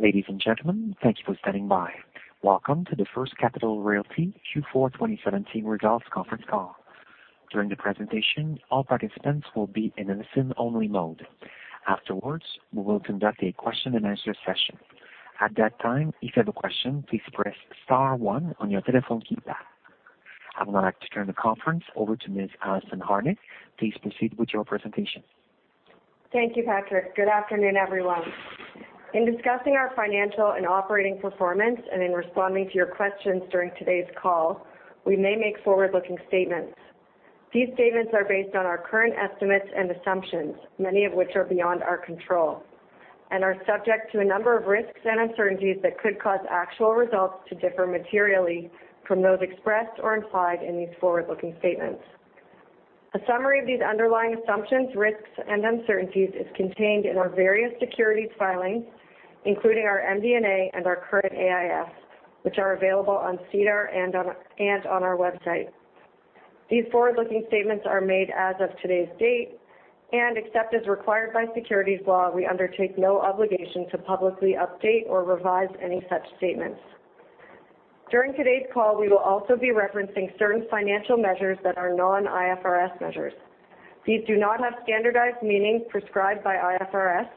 Ladies and gentlemen, thank you for standing by. Welcome to the First Capital Realty Q4 2017 Results Conference Call. During the presentation, all participants will be in a listen-only mode. Afterwards, we will conduct a question and answer session. At that time, if you have a question, please press star one on your telephone keypad. I would like to turn the conference over to Ms. Alison Harnick. Please proceed with your presentation. Thank you, Patrick. Good afternoon, everyone. In discussing our financial and operating performance and in responding to your questions during today's call, we may make forward-looking statements. These statements are based on our current estimates and assumptions, many of which are beyond our control, and are subject to a number of risks and uncertainties that could cause actual results to differ materially from those expressed or implied in these forward-looking statements. A summary of these underlying assumptions, risks, and uncertainties is contained in our various securities filings, including our MD&A and our current AIF, which are available on SEDAR and on our website. These forward-looking statements are made as of today's date, and except as required by securities law, we undertake no obligation to publicly update or revise any such statements. During today's call, we will also be referencing certain financial measures that are non-IFRS measures. These do not have standardized meaning prescribed by IFRS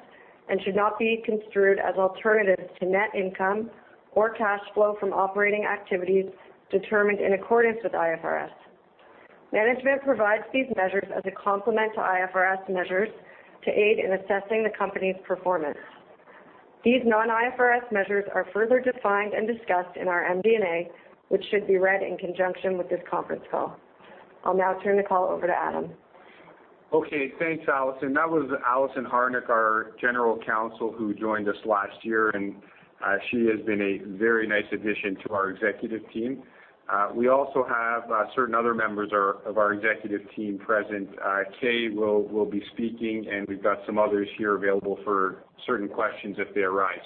and should not be construed as alternatives to net income or cash flow from operating activities determined in accordance with IFRS. Management provides these measures as a complement to IFRS measures to aid in assessing the company's performance. These non-IFRS measures are further defined and discussed in our MD&A, which should be read in conjunction with this conference call. I'll now turn the call over to Adam. Okay. Thanks, Alison. That was Alison Harnick, our general counsel, who joined us last year, and she has been a very nice addition to our executive team. We also have certain other members of our executive team present. Kay will be speaking, and we've got some others here available for certain questions if they arise.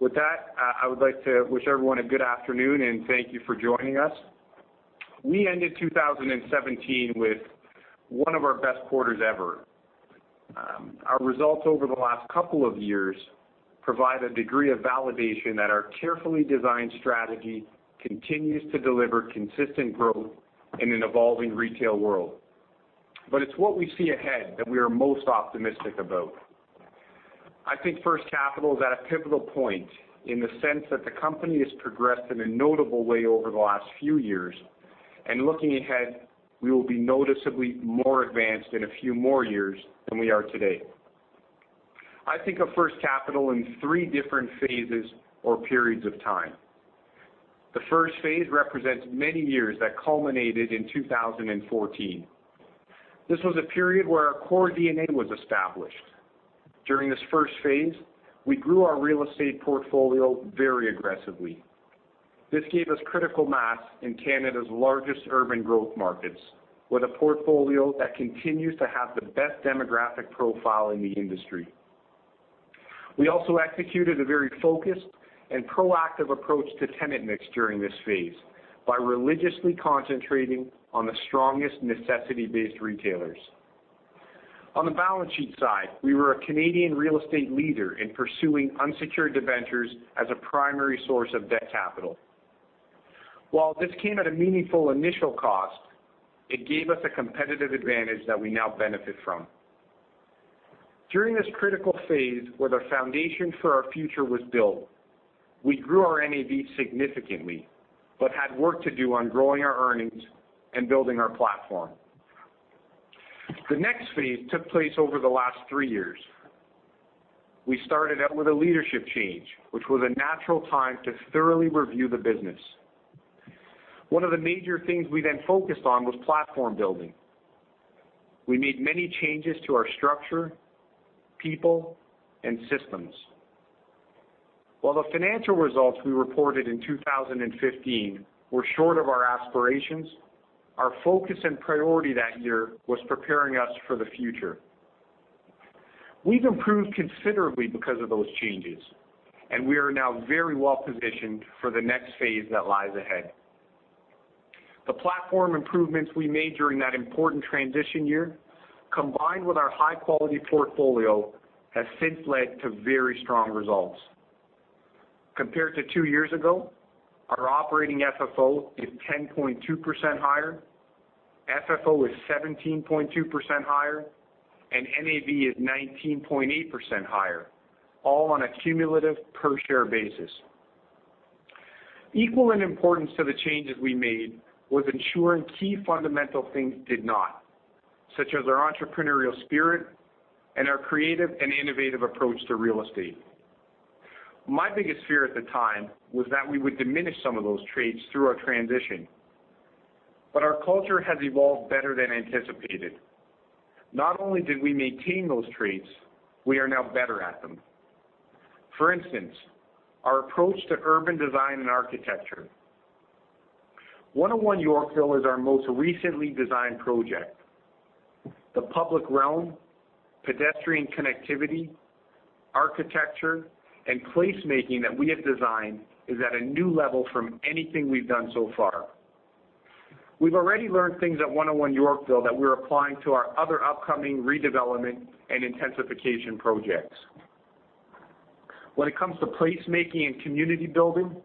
With that, I would like to wish everyone a good afternoon, and thank you for joining us. We ended 2017 with one of our best quarters ever. Our results over the last couple of years provide a degree of validation that our carefully designed strategy continues to deliver consistent growth in an evolving retail world. It's what we see ahead that we are most optimistic about. I think First Capital is at a pivotal point in the sense that the company has progressed in a notable way over the last few years, looking ahead, we will be noticeably more advanced in a few more years than we are today. I think of First Capital in three different phases or periods of time. The first phase represents many years that culminated in 2014. This was a period where our core DNA was established. During this first phase, we grew our real estate portfolio very aggressively. This gave us critical mass in Canada's largest urban growth markets, with a portfolio that continues to have the best demographic profile in the industry. We also executed a very focused and proactive approach to tenant mix during this phase by religiously concentrating on the strongest necessity-based retailers. On the balance sheet side, we were a Canadian real estate leader in pursuing unsecured debentures as a primary source of debt capital. While this came at a meaningful initial cost, it gave us a competitive advantage that we now benefit from. During this critical phase where the foundation for our future was built, we grew our NAV significantly but had work to do on growing our earnings and building our platform. The next phase took place over the last three years. We started out with a leadership change, which was a natural time to thoroughly review the business. One of the major things we then focused on was platform building. We made many changes to our structure, people, and systems. While the financial results we reported in 2015 were short of our aspirations, our focus and priority that year was preparing us for the future. We've improved considerably because of those changes, we are now very well-positioned for the next phase that lies ahead. The platform improvements we made during that important transition year, combined with our high-quality portfolio, have since led to very strong results. Compared to two years ago, our operating FFO is 10.2% higher, FFO is 17.2% higher, and NAV is 19.8% higher, all on a cumulative per-share basis. Equal in importance to the changes we made was ensuring key fundamental things did not, such as our entrepreneurial spirit and our creative and innovative approach to real estate. My biggest fear at the time was that we would diminish some of those traits through our transition. Our culture has evolved better than anticipated. Not only did we maintain those traits, we are now better at them. For instance, our approach to urban design and architecture. 101 Yorkville is our most recently designed project. The public realm, pedestrian connectivity, architecture, and place-making that we have designed is at a new level from anything we've done so far. We've already learned things at 101 Yorkville that we're applying to our other upcoming redevelopment and intensification projects. When it comes to placemaking and community building,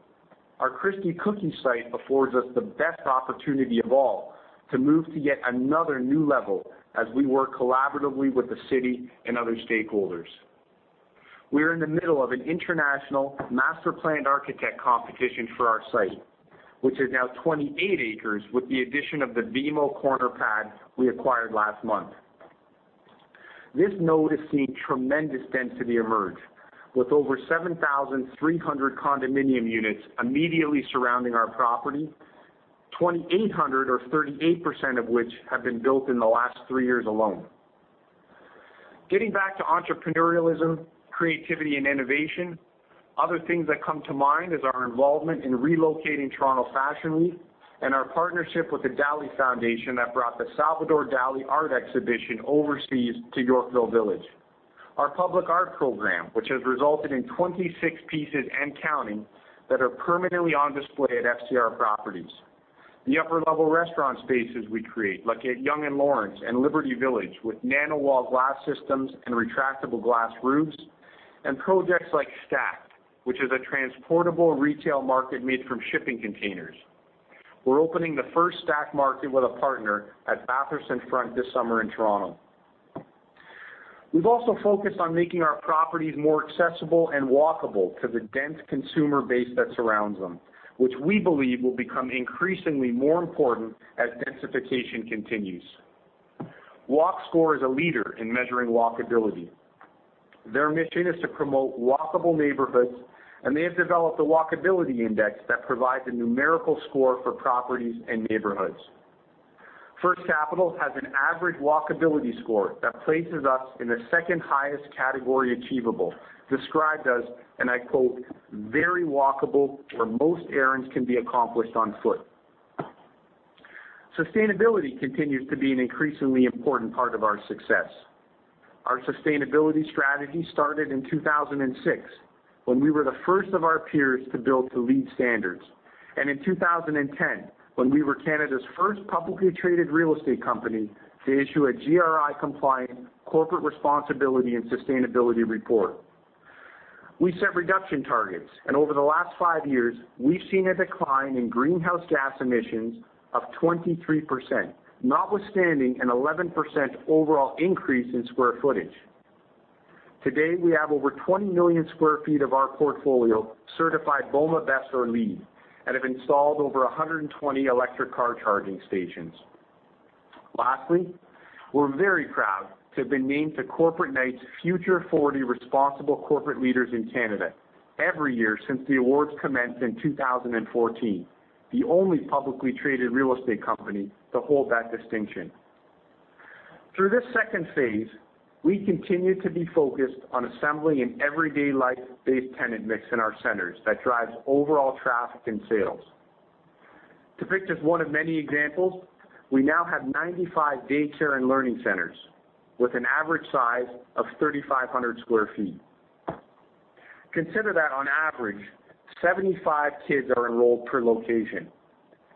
our Christie Cookie site affords us the best opportunity of all to move to yet another new level as we work collaboratively with the city and other stakeholders. We are in the middle of an international master-planned architect competition for our site, which is now 28 acres with the addition of the BMO corner pad we acquired last month. This node has seen tremendous density emerge, with over 7,300 condominium units immediately surrounding our property, 2,800 or 38% of which have been built in the last three years alone. Getting back to entrepreneurialism, creativity, and innovation, other things that come to mind is our involvement in relocating Toronto Fashion Week and our partnership with the Dalí Foundation that brought the Salvador Dalí art exhibition overseas to Yorkville Village. Our public art program, which has resulted in 26 pieces and counting that are permanently on display at FCR properties. The upper-level restaurant spaces we create, like at Yonge and Lawrence and Liberty Village, with NanaWall glass systems and retractable glass roofs. Projects like STACKT, which is a transportable retail market made from shipping containers. We're opening the first STACKT Market with a partner at Bathurst and Front this summer in Toronto. We've also focused on making our properties more accessible and walkable to the dense consumer base that surrounds them, which we believe will become increasingly more important as densification continues. Walk Score is a leader in measuring walkability. Their mission is to promote walkable neighborhoods, and they have developed a walkability index that provides a numerical score for properties and neighborhoods. First Capital has an average walkability score that places us in the second-highest category achievable, described as, and I quote, "Very walkable, where most errands can be accomplished on foot." Sustainability continues to be an increasingly important part of our success. Our sustainability strategy started in 2006, when we were the first of our peers to build to LEED standards. In 2010, when we were Canada's first publicly traded real estate company to issue a GRI-compliant corporate responsibility and sustainability report. We set reduction targets, and over the last five years, we've seen a decline in greenhouse gas emissions of 23%, notwithstanding an 11% overall increase in square footage. Today, we have over 20 million sq ft of our portfolio certified BOMA BEST or LEED and have installed over 120 electric car charging stations. Lastly, we're very proud to have been named to Corporate Knights Future 40 Responsible Corporate Leaders in Canada every year since the awards commenced in 2014, the only publicly traded real estate company to hold that distinction. Through this second phase, we continue to be focused on assembling an everyday life-based tenant mix in our centers that drives overall traffic and sales. To pick just one of many examples, we now have 95 daycare and learning centers with an average size of 3,500 sq ft. Consider that on average, 75 kids are enrolled per location,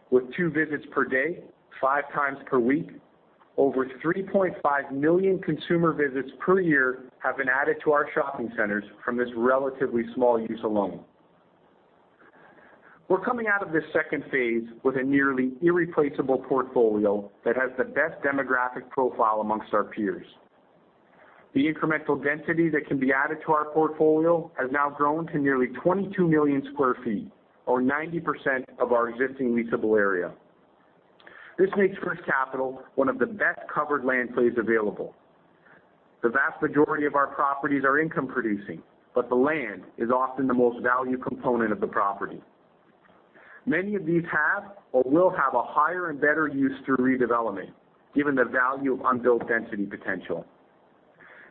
with two visits per day, five times per week. Over 3.5 million consumer visits per year have been added to our shopping centers from this relatively small use alone. We're coming out of this second phase with a nearly irreplaceable portfolio that has the best demographic profile amongst our peers. The incremental density that can be added to our portfolio has now grown to nearly 22 million sq ft, or 90% of our existing leasable area. This makes First Capital one of the best-covered land plays available. The vast majority of our properties are income producing, but the land is often the most value component of the property. Many of these have or will have a higher and better use through redevelopment, given the value of unbuilt density potential.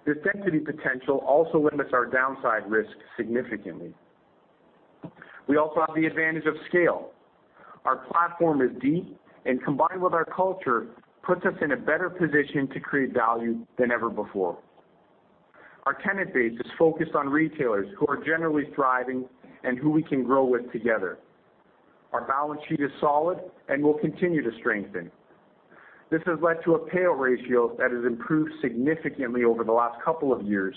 This density potential also limits our downside risk significantly. We also have the advantage of scale. Our platform is deep and, combined with our culture, puts us in a better position to create value than ever before. Our tenant base is focused on retailers who are generally thriving and who we can grow with together. Our balance sheet is solid and will continue to strengthen. This has led to a payout ratio that has improved significantly over the last couple of years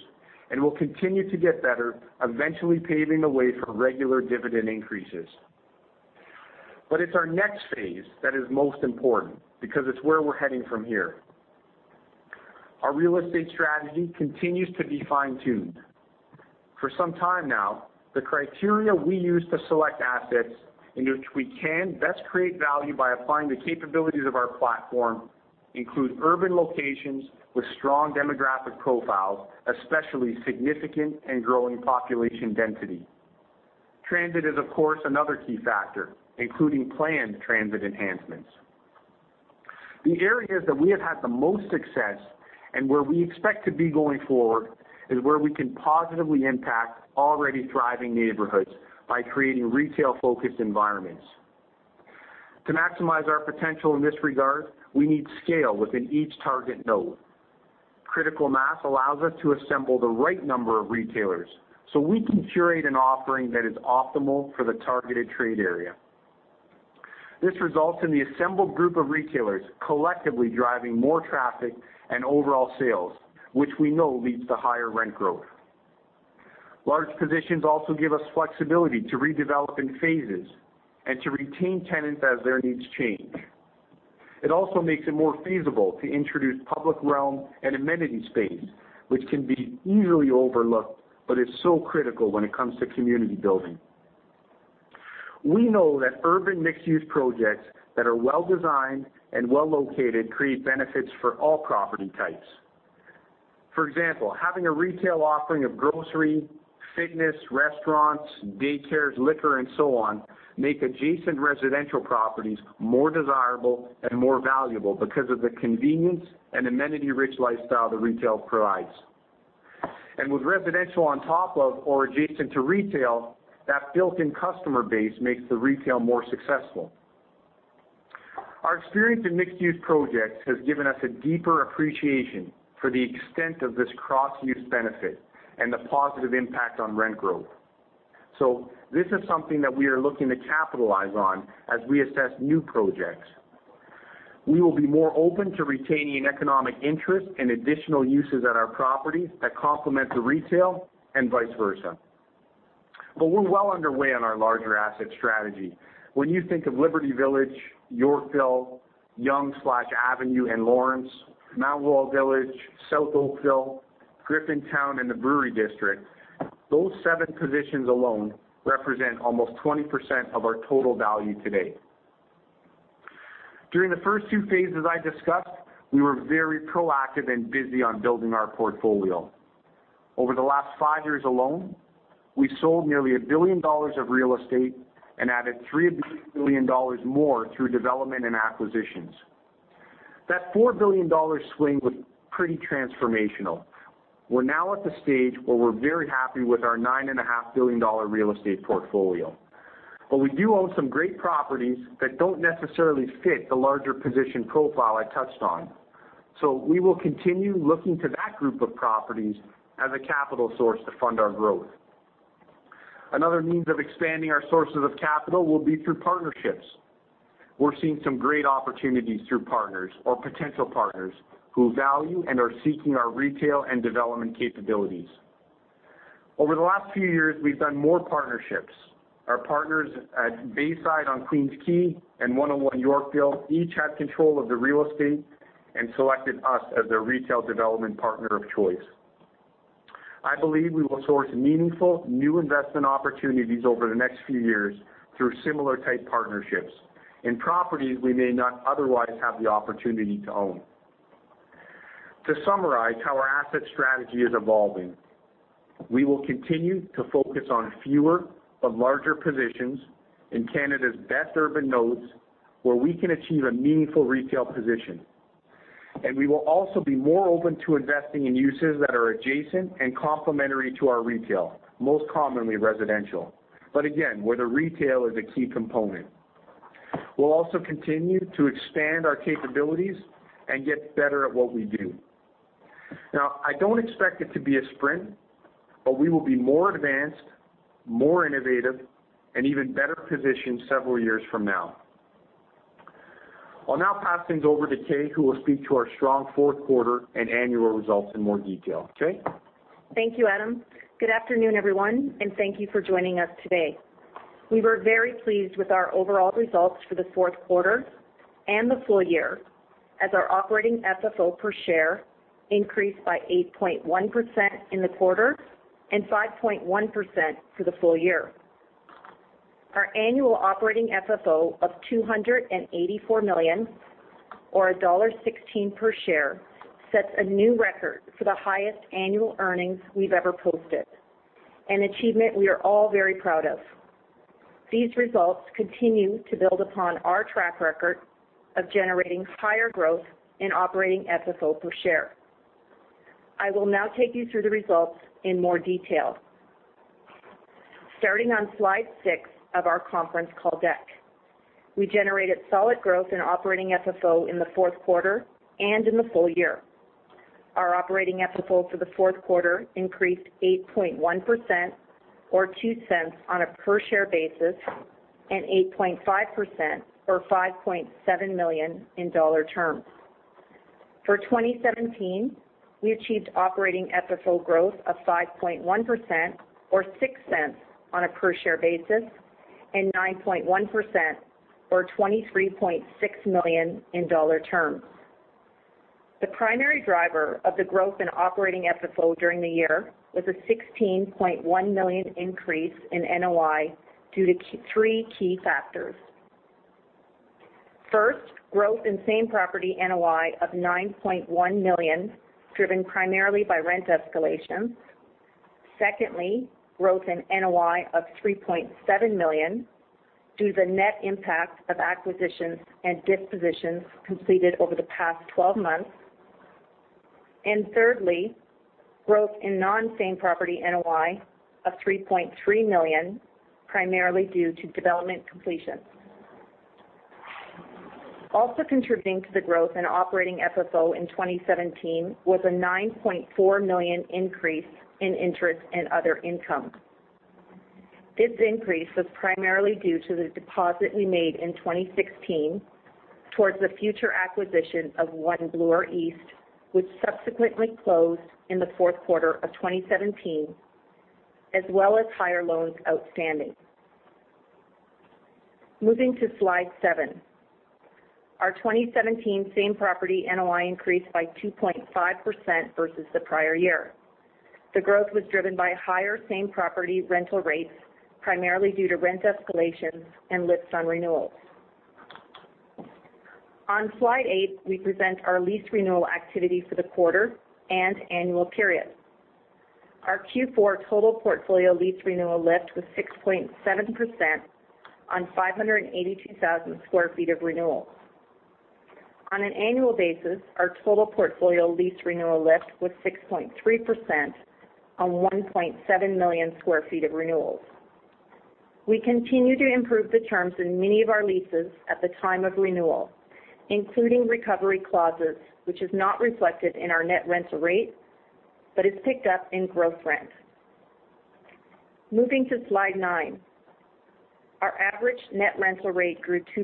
and will continue to get better, eventually paving the way for regular dividend increases. It's our next phase that is most important because it's where we're heading from here. Our real estate strategy continues to be fine-tuned. For some time now, the criteria we use to select assets in which we can best create value by applying the capabilities of our platform include urban locations with strong demographic profiles, especially significant and growing population density. Transit is, of course, another key factor, including planned transit enhancements. The areas that we have had the most success and where we expect to be going forward is where we can positively impact already thriving neighborhoods by creating retail-focused environments. To maximize our potential in this regard, we need scale within each target node. Critical mass allows us to assemble the right number of retailers so we can curate an offering that is optimal for the targeted trade area. This results in the assembled group of retailers collectively driving more traffic and overall sales, which we know leads to higher rent growth. Large positions also give us flexibility to redevelop in phases and to retain tenants as their needs change. It also makes it more feasible to introduce public realm and amenity space, which can be easily overlooked, but is so critical when it comes to community building. We know that urban mixed-use projects that are well-designed and well-located create benefits for all property types. For example, having a retail offering of grocery, fitness, restaurants, daycares, liquor, and so on, make adjacent residential properties more desirable and more valuable because of the convenience and amenity-rich lifestyle the retail provides. With residential on top of or adjacent to retail, that built-in customer base makes the retail more successful. Our experience in mixed-use projects has given us a deeper appreciation for the extent of this cross-use benefit and the positive impact on rent growth. This is something that we are looking to capitalize on as we assess new projects. We will be more open to retaining economic interest and additional uses at our properties that complement the retail and vice versa. We're well underway on our larger asset strategy. When you think of Liberty Village, Yorkville, Yonge/Avenue and Lawrence, Mount Royal Village, South Oakville, Griffintown, and the Brewery District, those seven positions alone represent almost 20% of our total value today. During the first two phases I discussed, we were very proactive and busy on building our portfolio. Over the last five years alone, we sold nearly 1 billion dollars of real estate and added 3 billion dollars more through development and acquisitions. That 4 billion dollar swing was pretty transformational. We're now at the stage where we're very happy with our 9.5 billion dollar real estate portfolio. We do own some great properties that don't necessarily fit the larger position profile I touched on. We will continue looking to that group of properties as a capital source to fund our growth. Another means of expanding our sources of capital will be through partnerships. We're seeing some great opportunities through partners or potential partners who value and are seeking our retail and development capabilities. Over the last few years, we've done more partnerships. Our partners at Bayside on Queens Quay and 101 Yorkville each had control of the real estate and selected us as their retail development partner of choice. I believe we will source meaningful new investment opportunities over the next few years through similar-type partnerships in properties we may not otherwise have the opportunity to own. To summarize how our asset strategy is evolving, we will continue to focus on fewer but larger positions in Canada's best urban nodes, where we can achieve a meaningful retail position. We will also be more open to investing in uses that are adjacent and complementary to our retail, most commonly residential. Again, where the retail is a key component. We'll also continue to expand our capabilities and get better at what we do. Now, I don't expect it to be a sprint, we will be more advanced, more innovative, and even better positioned several years from now. I'll now pass things over to Kay, who will speak to our strong fourth quarter and annual results in more detail. Kay? Thank you, Adam. Good afternoon, everyone, and thank you for joining us today. We were very pleased with our overall results for the fourth quarter and the full year as our operating FFO per share increased by 8.1% in the quarter and 5.1% for the full year. Our annual operating FFO of 284 million, or dollar 1.16 per share, sets a new record for the highest annual earnings we've ever posted, an achievement we are all very proud of. These results continue to build upon our track record of generating higher growth in operating FFO per share. I will now take you through the results in more detail. Starting on slide six of our conference call deck. We generated solid growth in operating FFO in the fourth quarter and in the full year. Our operating FFO for the fourth quarter increased 8.1%, or 0.02 on a per-share basis, and 8.5%, or 5.7 million in dollar terms. For 2017, we achieved operating FFO growth of 5.1%, or 0.06 on a per-share basis, and 9.1%, or 23.6 million in dollar terms. The primary driver of the growth in operating FFO during the year was a 16.1 million increase in NOI due to three key factors. First, growth in same-property NOI of 9.1 million, driven primarily by rent escalation. Secondly, growth in NOI of 3.7 million due to the net impact of acquisitions and dispositions completed over the past 12 months. Thirdly, growth in non-same property NOI of 3.3 million, primarily due to development completion. Also contributing to the growth in operating FFO in 2017 was a 9.4 million increase in interest and other income. This increase was primarily due to the deposit we made in 2016 towards the future acquisition of One Bloor East, which subsequently closed in the fourth quarter of 2017, as well as higher loans outstanding. Moving to slide seven. Our 2017 same-property NOI increased by 2.5% versus the prior year. The growth was driven by higher same-property rental rates, primarily due to rent escalations and lifts on renewals. On slide eight, we present our lease renewal activity for the quarter and annual period. Our Q4 total portfolio lease renewal lift was 6.7% on 582,000 sq ft of renewals. On an annual basis, our total portfolio lease renewal lift was 6.3% on 1.7 million sq ft of renewals. We continue to improve the terms in many of our leases at the time of renewal, including recovery clauses, which is not reflected in our net rental rate, but is picked up in gross rent. Moving to slide nine. Our average net rental rate grew 2%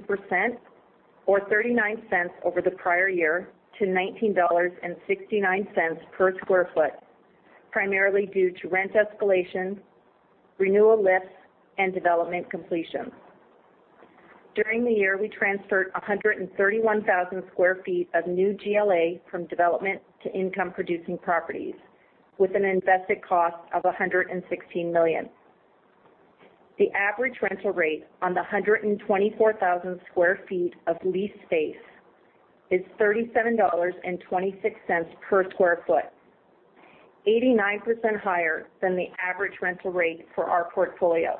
or 0.39 over the prior year to 19.69 dollars per sq ft, primarily due to rent escalations, renewal lifts, and development completions. During the year, we transferred 131,000 sq ft of new GLA from development to income-producing properties with an invested cost of 116 million. The average rental rate on the 124,000 sq ft of leased space is 37.26 dollars per sq ft, 89% higher than the average rental rate for our portfolio.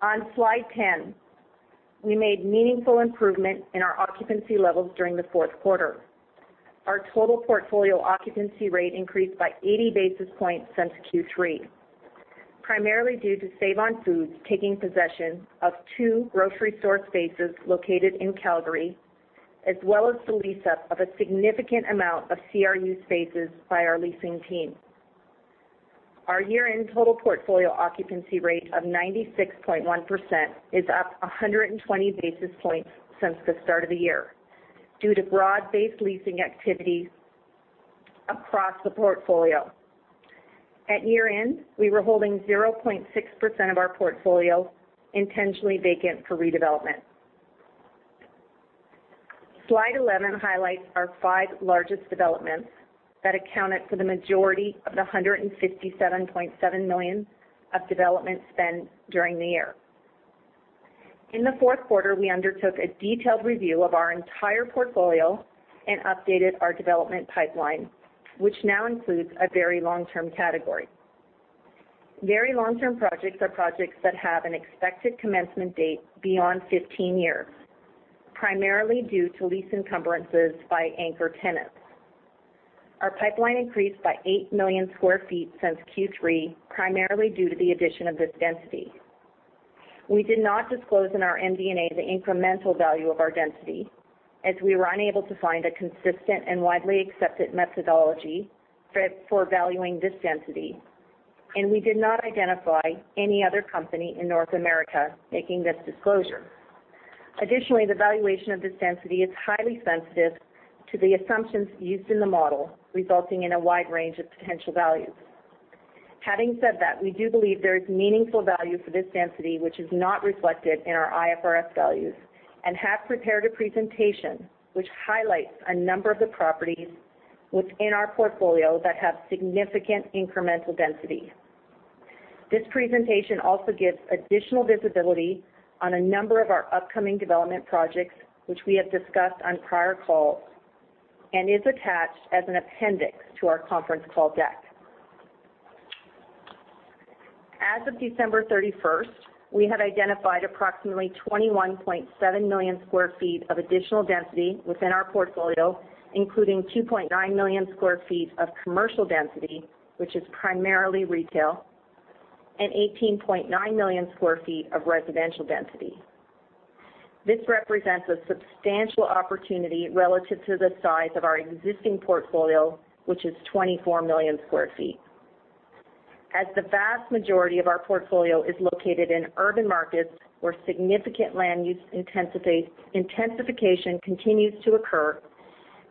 On slide 10, we made meaningful improvement in our occupancy levels during the fourth quarter. Our total portfolio occupancy rate increased by 80 basis points since Q3, primarily due to Save-On-Foods taking possession of two grocery store spaces located in Calgary, as well as the lease-up of a significant amount of CRU spaces by our leasing team. Our year-end total portfolio occupancy rate of 96.1% is up 120 basis points since the start of the year due to broad-based leasing activity across the portfolio. At year-end, we were holding 0.6% of our portfolio intentionally vacant for redevelopment. Slide 11 highlights our five largest developments that accounted for the majority of the 157.7 million of development spend during the year. In the fourth quarter, we undertook a detailed review of our entire portfolio and updated our development pipeline, which now includes a very long-term category. Very long-term projects are projects that have an expected commencement date beyond 15 years, primarily due to lease encumbrances by anchor tenants. Our pipeline increased by 8 million sq ft since Q3, primarily due to the addition of this density. We did not disclose in our MD&A the incremental value of our density, as we were unable to find a consistent and widely accepted methodology for valuing this density, and we did not identify any other company in North America making this disclosure. Additionally, the valuation of this density is highly sensitive to the assumptions used in the model, resulting in a wide range of potential values. Having said that, we do believe there is meaningful value for this density, which is not reflected in our IFRS values, and have prepared a presentation which highlights a number of the properties within our portfolio that have significant incremental density. This presentation also gives additional visibility on a number of our upcoming development projects, which we have discussed on prior calls and is attached as an appendix to our conference call deck. As of December 31st, we have identified approximately 21.7 million square feet of additional density within our portfolio, including 2.9 million square feet of commercial density, which is primarily retail, and 18.9 million square feet of residential density. This represents a substantial opportunity relative to the size of our existing portfolio, which is 24 million square feet. As the vast majority of our portfolio is located in urban markets where significant land use intensification continues to occur,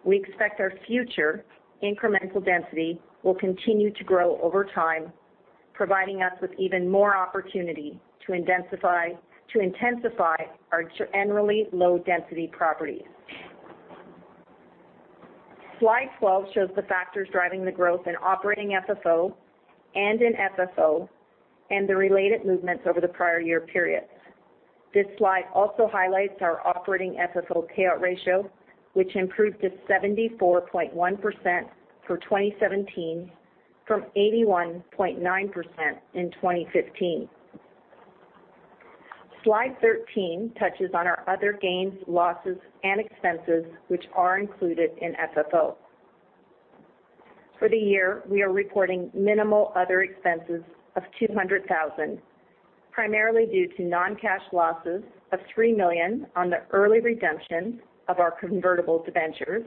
we expect our future incremental density will continue to grow over time, providing us with even more opportunity to intensify our generally low-density properties. Slide 12 shows the factors driving the growth in operating FFO and in FFO and the related movements over the prior year periods. This slide also highlights our operating FFO payout ratio, which improved to 74.1% for 2017 from 81.9% in 2015. Slide 13 touches on our other gains, losses, and expenses, which are included in FFO. For the year, we are reporting minimal other expenses of 200,000, primarily due to non-cash losses of 3 million on the early redemption of our convertible debentures,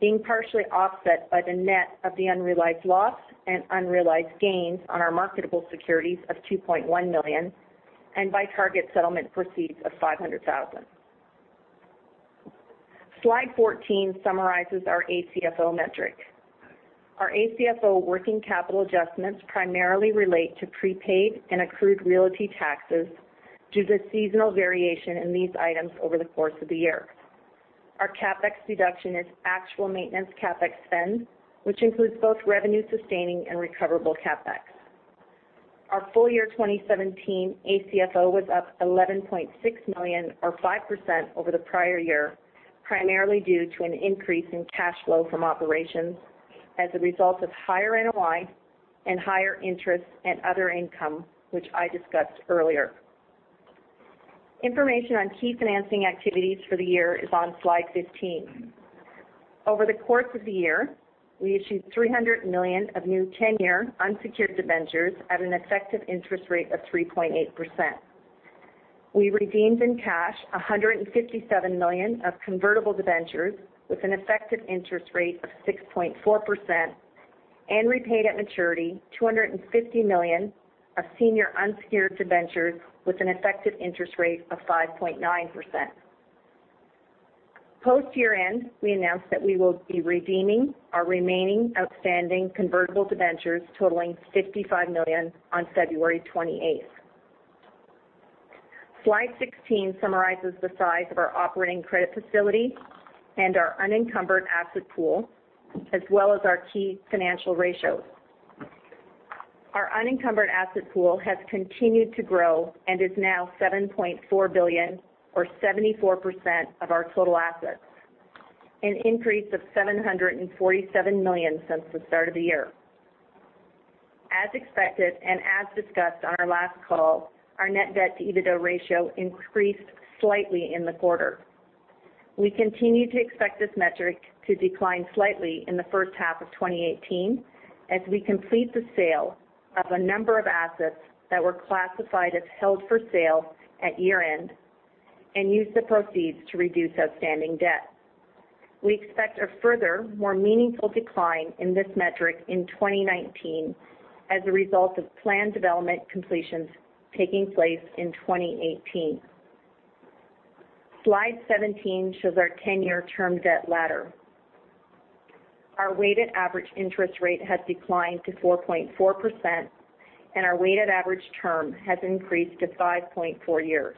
being partially offset by the net of the unrealized loss and unrealized gains on our marketable securities of 2.1 million and by target settlement proceeds of 500,000. Slide 14 summarizes our ACFO metric. Our ACFO working capital adjustments primarily relate to prepaid and accrued realty taxes due to seasonal variation in these items over the course of the year. Our CapEx deduction is actual maintenance CapEx spend, which includes both revenue-sustaining and recoverable CapEx. Our full year 2017 ACFO was up 11.6 million or 5% over the prior year, primarily due to an increase in cash flow from operations as a result of higher NOI and higher interest and other income, which I discussed earlier. Information on key financing activities for the year is on slide 15. Over the course of the year, we issued 300 million of new 10-year unsecured debentures at an effective interest rate of 3.8%. We redeemed in cash 157 million of convertible debentures with an effective interest rate of 6.4% and repaid at maturity 250 million of senior unsecured debentures with an effective interest rate of 5.9%. Post year-end, we announced that we will be redeeming our remaining outstanding convertible debentures totaling 55 million on February 28th. Slide 16 summarizes the size of our operating credit facility and our unencumbered asset pool, as well as our key financial ratios. Our unencumbered asset pool has continued to grow and is now 7.4 billion or 74% of our total assets, an increase of 747 million since the start of the year. As expected and as discussed on our last call, our net debt-to-EBITDA ratio increased slightly in the quarter. We continue to expect this metric to decline slightly in the first half of 2018 as we complete the sale of a number of assets that were classified as held for sale at year-end and use the proceeds to reduce outstanding debt. We expect a further, more meaningful decline in this metric in 2019 as a result of planned development completions taking place in 2018. Slide 17 shows our 10-year term debt ladder. Our weighted average interest rate has declined to 4.4%, and our weighted average term has increased to 5.4 years.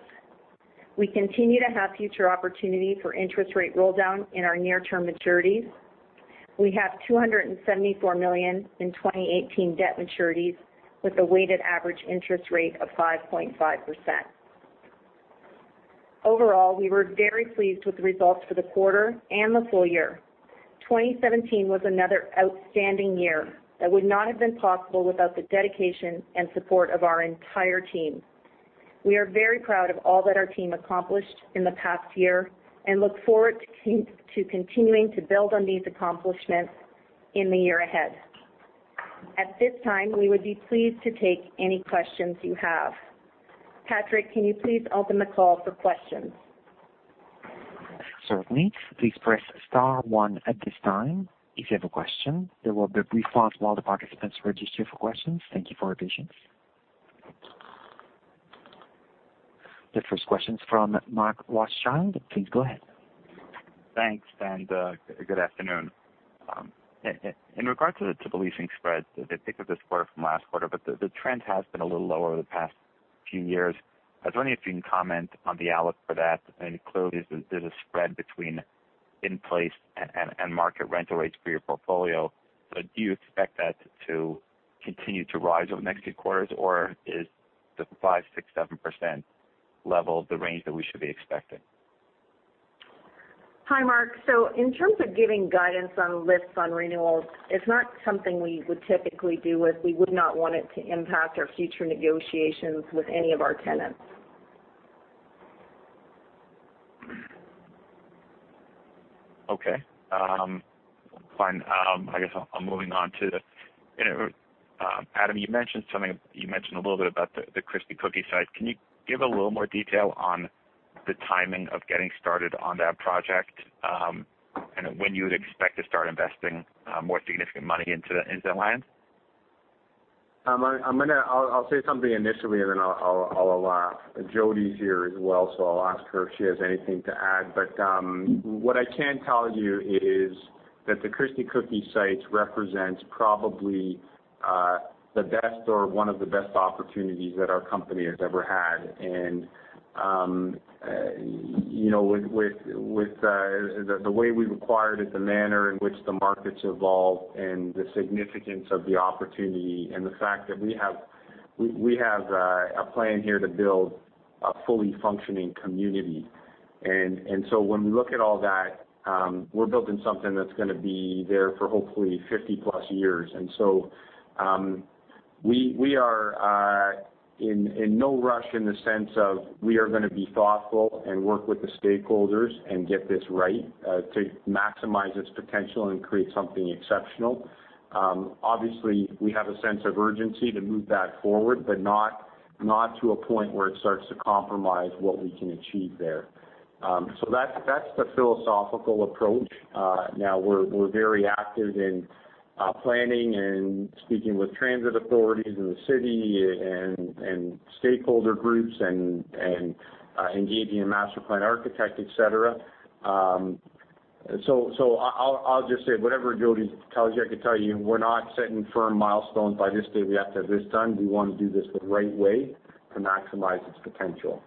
We continue to have future opportunity for interest rate roll-down in our near-term maturities. We have 274 million in 2018 debt maturities with a weighted average interest rate of 5.5%. Overall, we were very pleased with the results for the quarter and the full year. 2017 was another outstanding year that would not have been possible without the dedication and support of our entire team. We are very proud of all that our team accomplished in the past year and look forward to continuing to build on these accomplishments in the year ahead. At this time, we would be pleased to take any questions you have. Patrick, can you please open the call for questions? Certainly. Please press *1 at this time if you have a question. There will be a brief pause while the participants register for questions. Thank you for your patience. The first question is from Mark Rothschild. Please go ahead. Thanks, good afternoon. In regards to the leasing spreads, they picked up this quarter from last quarter, the trend has been a little lower over the past few years. I was wondering if you can comment on the outlook for that, clearly, there's a spread between in-place and market rental rates for your portfolio. Do you expect that to continue to rise over the next few quarters, or is the 5%, 6%, 7% level the range that we should be expecting? Hi, Mark. In terms of giving guidance on lifts on renewals, it's not something we would typically do, as we would not want it to impact our future negotiations with any of our tenants. Okay. Fine. I guess I'm moving on to Adam, you mentioned a little bit about the Christie Cookie site. Can you give a little more detail on the timing of getting started on that project, and when you would expect to start investing more significant money into that land? I'll say something initially, and then Jodi's here as well, so I'll ask her if she has anything to add. What I can tell you is that the Christie Cookie site represents probably the best or one of the best opportunities that our company has ever had. With the way we acquired it, the manner in which the market's evolved and the significance of the opportunity, and the fact that we have a plan here to build a fully functioning community. When we look at all that, we're building something that's going to be there for hopefully 50-plus years. We are in no rush in the sense of, we are going to be thoughtful and work with the stakeholders and get this right to maximize its potential and create something exceptional. Obviously, we have a sense of urgency to move that forward, but not to a point where it starts to compromise what we can achieve there. That's the philosophical approach. Now, we're very active in planning and speaking with transit authorities in the city and stakeholder groups and engaging a master plan architect, et cetera. I'll just say, whatever Jodi tells you, I could tell you, we're not setting firm milestones. By this day, we have to have this done. We want to do this the right way to maximize its potential.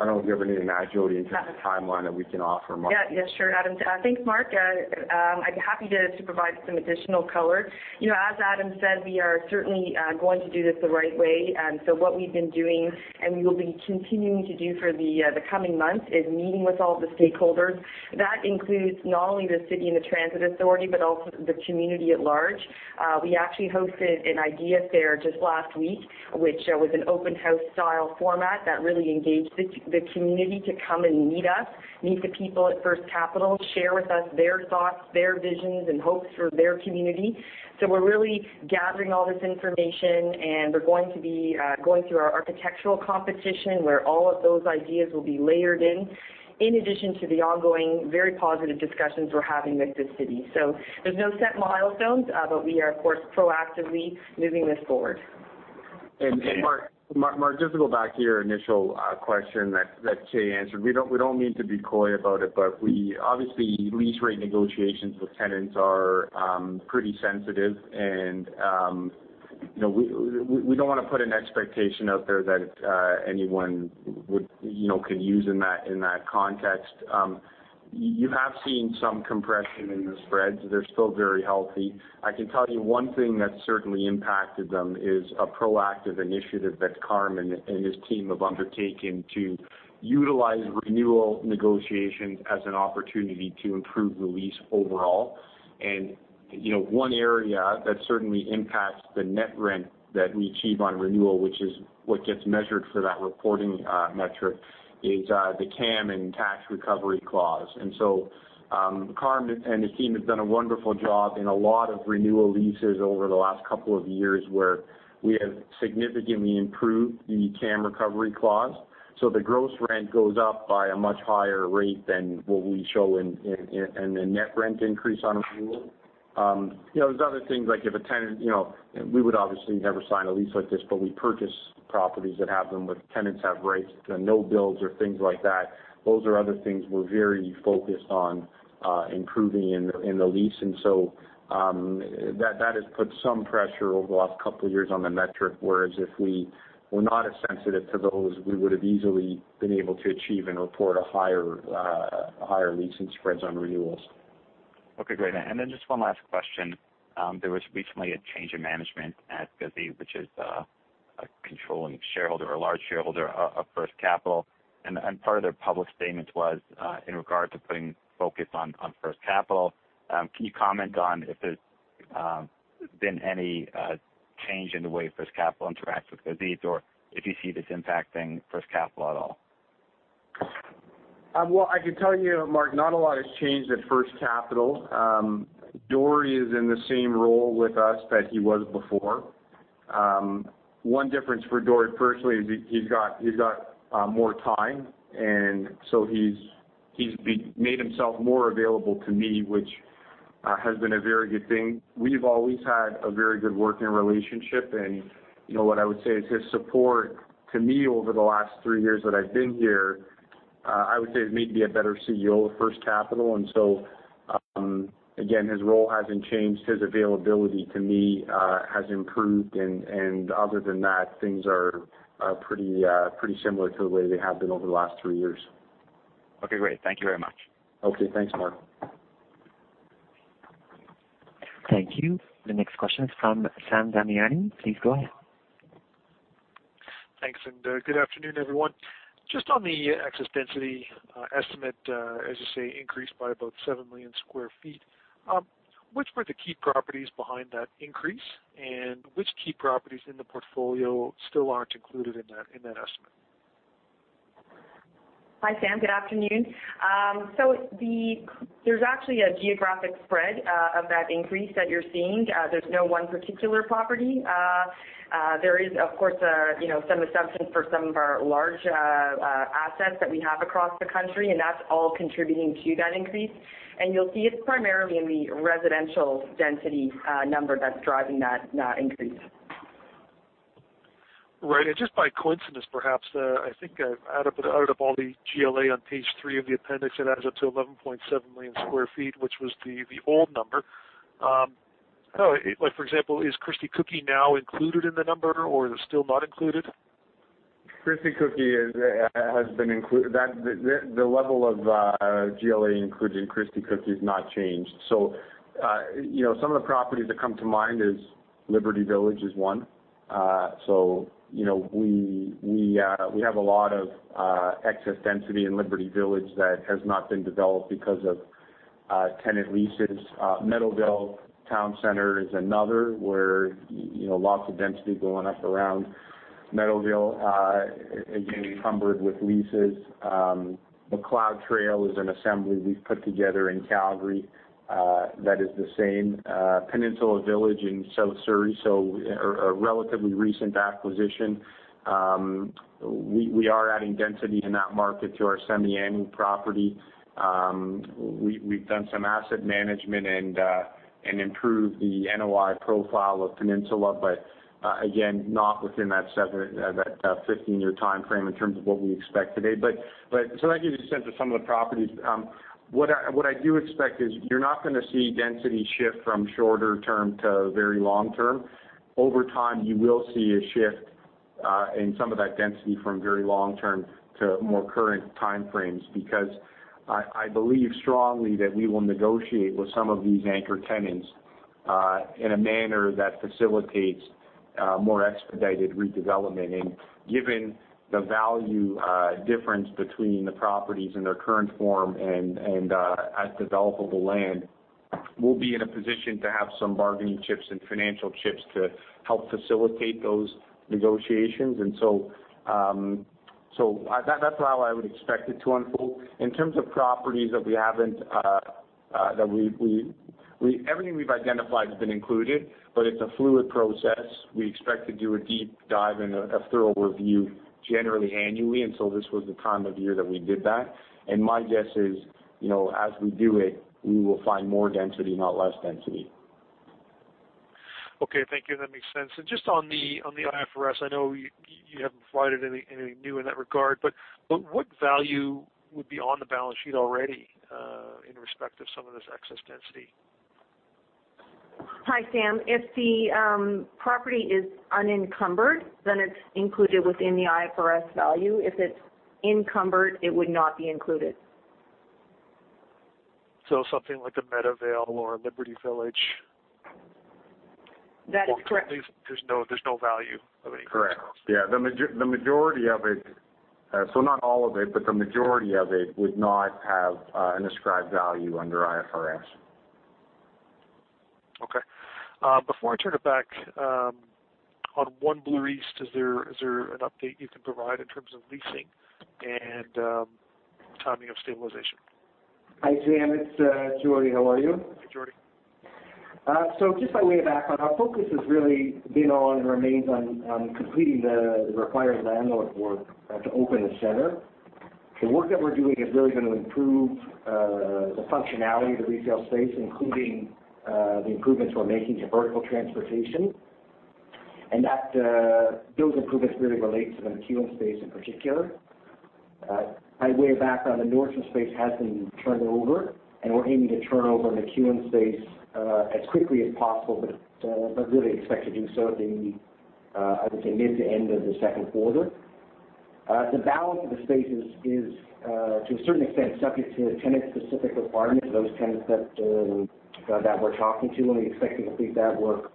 I don't know if you have anything to add, Jodi, in terms of timeline that we can offer Mark. Yeah. Sure, Adam. Thanks, Mark. I'd be happy to provide some additional color. As Adam said, we are certainly going to do this the right way. What we've been doing, and we will be continuing to do for the coming months, is meeting with all the stakeholders. That includes not only the city and the transit authority, but also the community at large. We actually hosted an idea fair just last week, which was an open house-style format that really engaged the community to come and meet us, meet the people at First Capital, share with us their thoughts, their visions, and hopes for their community. We're really gathering all this information, and we're going to be going through our architectural competition, where all of those ideas will be layered in addition to the ongoing, very positive discussions we're having with the city. There's no set milestones, but we are, of course, proactively moving this forward. Mark, just to go back to your initial question that Kay answered. We don't mean to be coy about it, but obviously, lease rate negotiations with tenants are pretty sensitive, and we don't want to put an expectation out there that anyone could use in that context. You have seen some compression in the spreads. They're still very healthy. I can tell you one thing that certainly impacted them is a proactive initiative that Carm and his team have undertaken to utilize renewal negotiations as an opportunity to improve the lease overall. One area that certainly impacts the net rent that we achieve on renewal, which is what gets measured for that reporting metric, is the CAM and tax recovery clause. Carm and his team have done a wonderful job in a lot of renewal leases over the last couple of years, where we have significantly improved the CAM recovery clause. The gross rent goes up by a much higher rate than what we show in the net rent increase on renewal. There's other things, like if a tenant. We would obviously never sign a lease like this, but we purchase properties that have them, where tenants have rights to no bills or things like that. Those are other things we're very focused on improving in the lease. That has put some pressure over the last couple of years on the metric, whereas if we were not as sensitive to those, we would have easily been able to achieve and report a higher lease and spreads on renewals. Okay, great. Just one last question. There was recently a change in management at Gazit-Globe, which is a controlling shareholder or large shareholder of First Capital. Part of their public statements was in regard to putting focus on First Capital. Can you comment on if there's been any change in the way First Capital interacts with Gazit-Globe, or if you see this impacting First Capital at all? Well, I can tell you, Mark, not a lot has changed at First Capital. Dori is in the same role with us that he was before. One difference for Dori personally is he's got more time, he's made himself more available to me, which has been a very good thing. We've always had a very good working relationship, what I would say is his support to me over the last 3 years that I've been here, I would say has made me a better CEO of First Capital. Again, his role hasn't changed. His availability to me has improved, and other than that, things are pretty similar to the way they have been over the last 3 years. Okay, great. Thank you very much. Okay. Thanks, Mark. Thank you. The next question is from Sam Damiani. Please go ahead. Thanks. Good afternoon, everyone. Just on the excess density estimate, as you say, increased by about 7 million square feet. Which were the key properties behind that increase, and which key properties in the portfolio still aren't included in that estimate? Hi, Sam. Good afternoon. There's actually a geographic spread of that increase that you're seeing. There's no one particular property. There is, of course, some assumption for some of our large assets that we have across the country, and that's all contributing to that increase. You'll see it's primarily in the residential density number that's driving that increase. Right. Just by coincidence, perhaps, I think I've added up all the GLA on page three of the appendix, it adds up to 11.7 million square feet, which was the old number. For example, is Christie Cookie now included in the number, or still not included? The level of GLA included in Christie Cookie has not changed. Some of the properties that come to mind is Liberty Village is one. We have a lot of excess density in Liberty Village that has not been developed because of tenant leases. Meadowvale Town Center is another where lots of density going up around Meadowvale, again, encumbered with leases. Macleod Trail is an assembly we've put together in Calgary. That is the same. Peninsula Village in South Surrey, a relatively recent acquisition. We are adding density in that market to our semi-annual property. We've done some asset management and improved the NOI profile of Peninsula, again, not within that 15-year timeframe in terms of what we expect today. That gives you a sense of some of the properties. What I do expect is you're not going to see density shift from shorter term to very long term. Over time, you will see a shift in some of that density from very long term to more current timeframes, because I believe strongly that we will negotiate with some of these anchor tenants, in a manner that facilitates more expedited redevelopment. Given the value difference between the properties in their current form and as developable land, we'll be in a position to have some bargaining chips and financial chips to help facilitate those negotiations. That's how I would expect it to unfold. In terms of properties that we haven't Everything we've identified has been included, but it's a fluid process. We expect to do a deep dive and a thorough review generally annually. This was the time of year that we did that. My guess is, as we do it, we will find more density, not less density. Okay. Thank you. That makes sense. Just on the IFRS, I know you haven't provided anything new in that regard, but what value would be on the balance sheet already, in respect of some of this excess density? Hi, Sam. If the property is unencumbered, then it's included within the IFRS value. If it's encumbered, it would not be included. Something like a Meadowvale or a Liberty Village. That is correct. There's no value of any kind. Correct. Yeah. The majority of it, so not all of it, but the majority of it would not have an ascribed value under IFRS. Okay. Before I turn it back, on One Bloor East, is there an update you can provide in terms of leasing and timing of stabilization? Hi, Sam. It's Jordie. How are you? Hey, Jordie. Just by way of background, our focus has really been on, and remains on, completing the required landlord work to open the center. The work that we're doing is really going to improve the functionality of the retail space, including the improvements we're making to vertical transportation. Those improvements really relate to the McEwen space in particular. By way of background, the Nordstrom space has been turned over, and we're aiming to turn over the McEwen space, as quickly as possible, but really expect to do so in the, I would say, mid to end of the second quarter. The balance of the spaces is, to a certain extent, subject to tenant-specific requirements, those tenants that we're talking to, and we expect to complete that work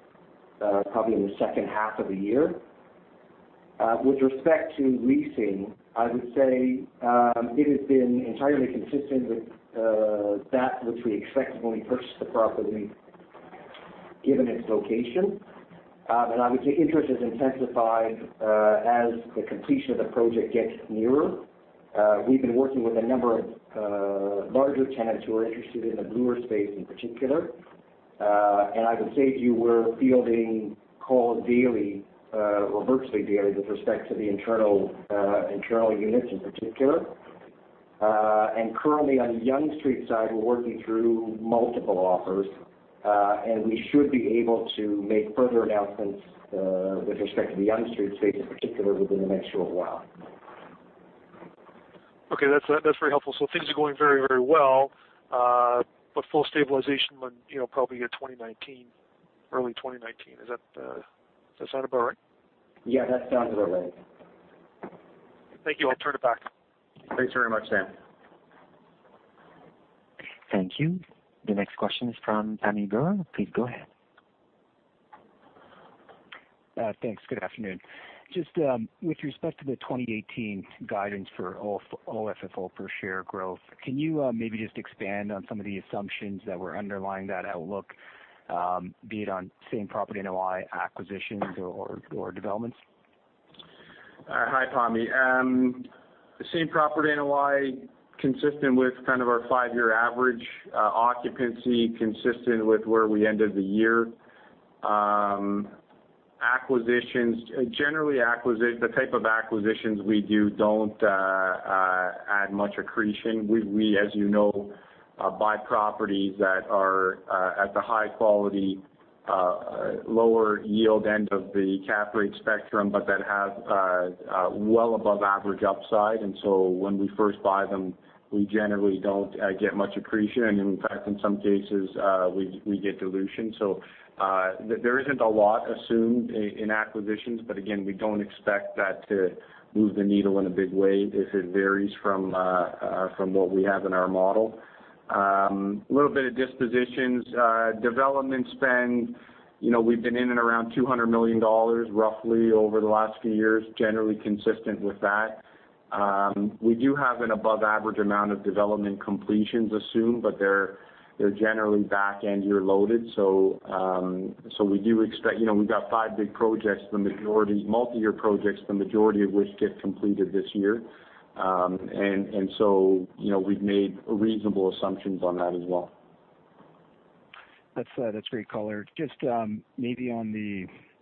probably in the second half of the year. With respect to leasing, I would say, it has been entirely consistent with that which we expected when we purchased the property, given its location. I would say interest has intensified, as the completion of the project gets nearer. We've been working with a number of larger tenants who are interested in the Bloor space in particular. I can say to you we're fielding calls daily, or virtually daily, with respect to the internal units in particular. Currently on the Yonge Street side, we're working through multiple offers. We should be able to make further announcements, with respect to the Yonge Street space in particular, within the next little while. Okay. That's very helpful. Things are going very, very well. Full stabilization when, probably year 2019, early 2019. Does that sound about right? Yeah, that sounds about right. Thank you. I'll turn it back. Thanks very much, Sam. Thank you. The next question is from Pammi Bir. Please go ahead. Thanks. Good afternoon. Just with respect to the 2018 guidance for OFFO per share growth, can you maybe just expand on some of the assumptions that were underlying that outlook, be it on same-property NOI acquisitions or developments? Hi, Pammi. Same-property NOI consistent with kind of our five-year average. Occupancy consistent with where we ended the year. Acquisitions. Generally, the type of acquisitions we do don't add much accretion. We, as you know, buy properties that are at the high quality, lower yield end of the cap rate spectrum, but that have well above average upside. When we first buy them, we generally don't get much accretion. In fact, in some cases, we get dilution. There isn't a lot assumed in acquisitions. Again, we don't expect that to move the needle in a big way if it varies from what we have in our model. A little bit of dispositions. Development spend, we've been in and around 200 million dollars roughly over the last few years, generally consistent with that. We do have an above-average amount of development completions assumed, but they're generally back-end year loaded. We've got five big projects, multi-year projects, the majority of which get completed this year. We've made reasonable assumptions on that as well. That's great color. Just maybe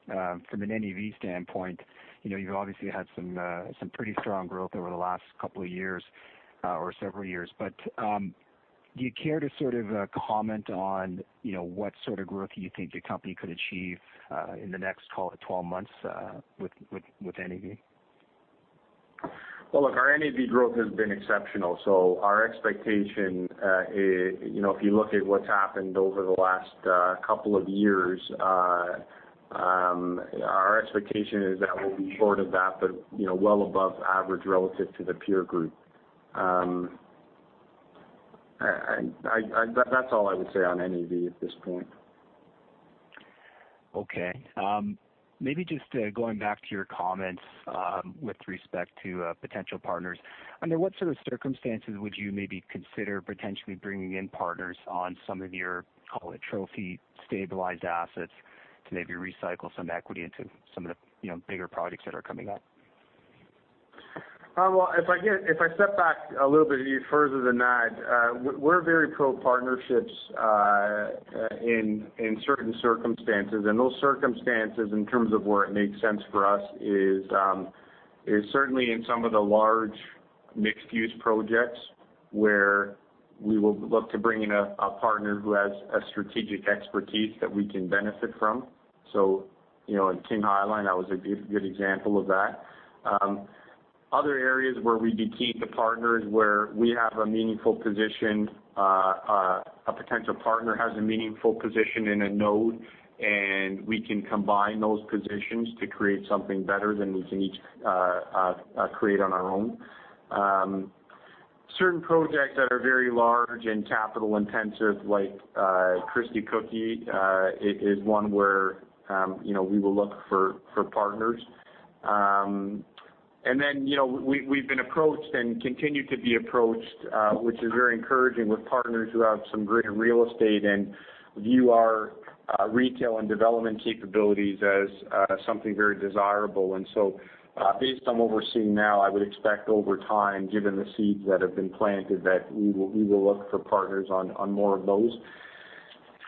from an NAV standpoint, you've obviously had some pretty strong growth over the last couple of years, or several years. Do you care to comment on what sort of growth you think the company could achieve in the next, call it, 12 months, with NAV? Well, look, our NAV growth has been exceptional. If you look at what's happened over the last couple of years, our expectation is that we'll be short of that, but well above average relative to the peer group. That's all I would say on NAV at this point. Okay. Maybe just going back to your comments, with respect to potential partners. Under what sort of circumstances would you maybe consider potentially bringing in partners on some of your, call it, trophy, stabilized assets to maybe recycle some equity into some of the bigger projects that are coming up? Well, if I step back a little bit even further than that, we're very pro-partnerships, in certain circumstances. Those circumstances, in terms of where it makes sense for us, is certainly in some of the large mixed-use projects where we will look to bring in a partner who has strategic expertise that we can benefit from. At King High Line, that was a good example of that. Other areas where we'd be keen to partner is where we have a meaningful position, a potential partner has a meaningful position in a node, and we can combine those positions to create something better than we can each create on our own. Certain projects that are very large and capital-intensive, like Christie Cookie, is one where we will look for partners. Then, we've been approached and continue to be approached, which is very encouraging, with partners who have some great real estate and view our retail and development capabilities as something very desirable. Based on what we're seeing now, I would expect over time, given the seeds that have been planted, that we will look for partners on more of those.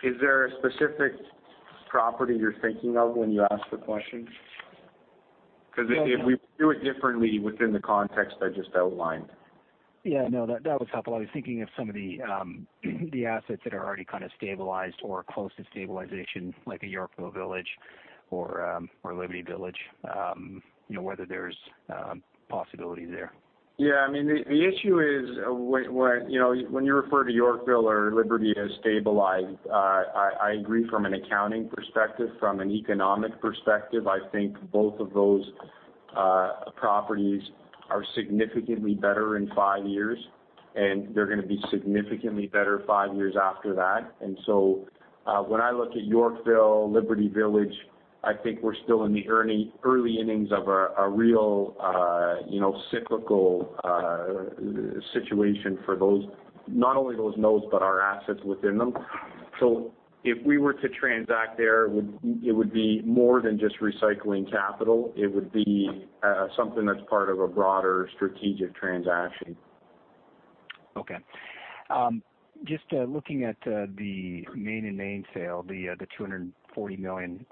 Is there a specific property you're thinking of when you ask the question? Because if we do it differently within the context I just outlined. Yeah, no, that would help. I was thinking of some of the assets that are already kind of stabilized or close to stabilization, like a Yorkville Village or Liberty Village, whether there's possibility there. Yeah. The issue is, when you refer to Yorkville or Liberty as stabilized, I agree from an accounting perspective. From an economic perspective, I think both of those properties are significantly better in five years, and they're going to be significantly better five years after that. When I look at Yorkville, Liberty Village, I think we're still in the early innings of a real cyclical situation for not only those nodes, but our assets within them. If we were to transact there, it would be more than just recycling capital. It would be something that's part of a broader strategic transaction. Just looking at the Main and Main sale, the 240 million,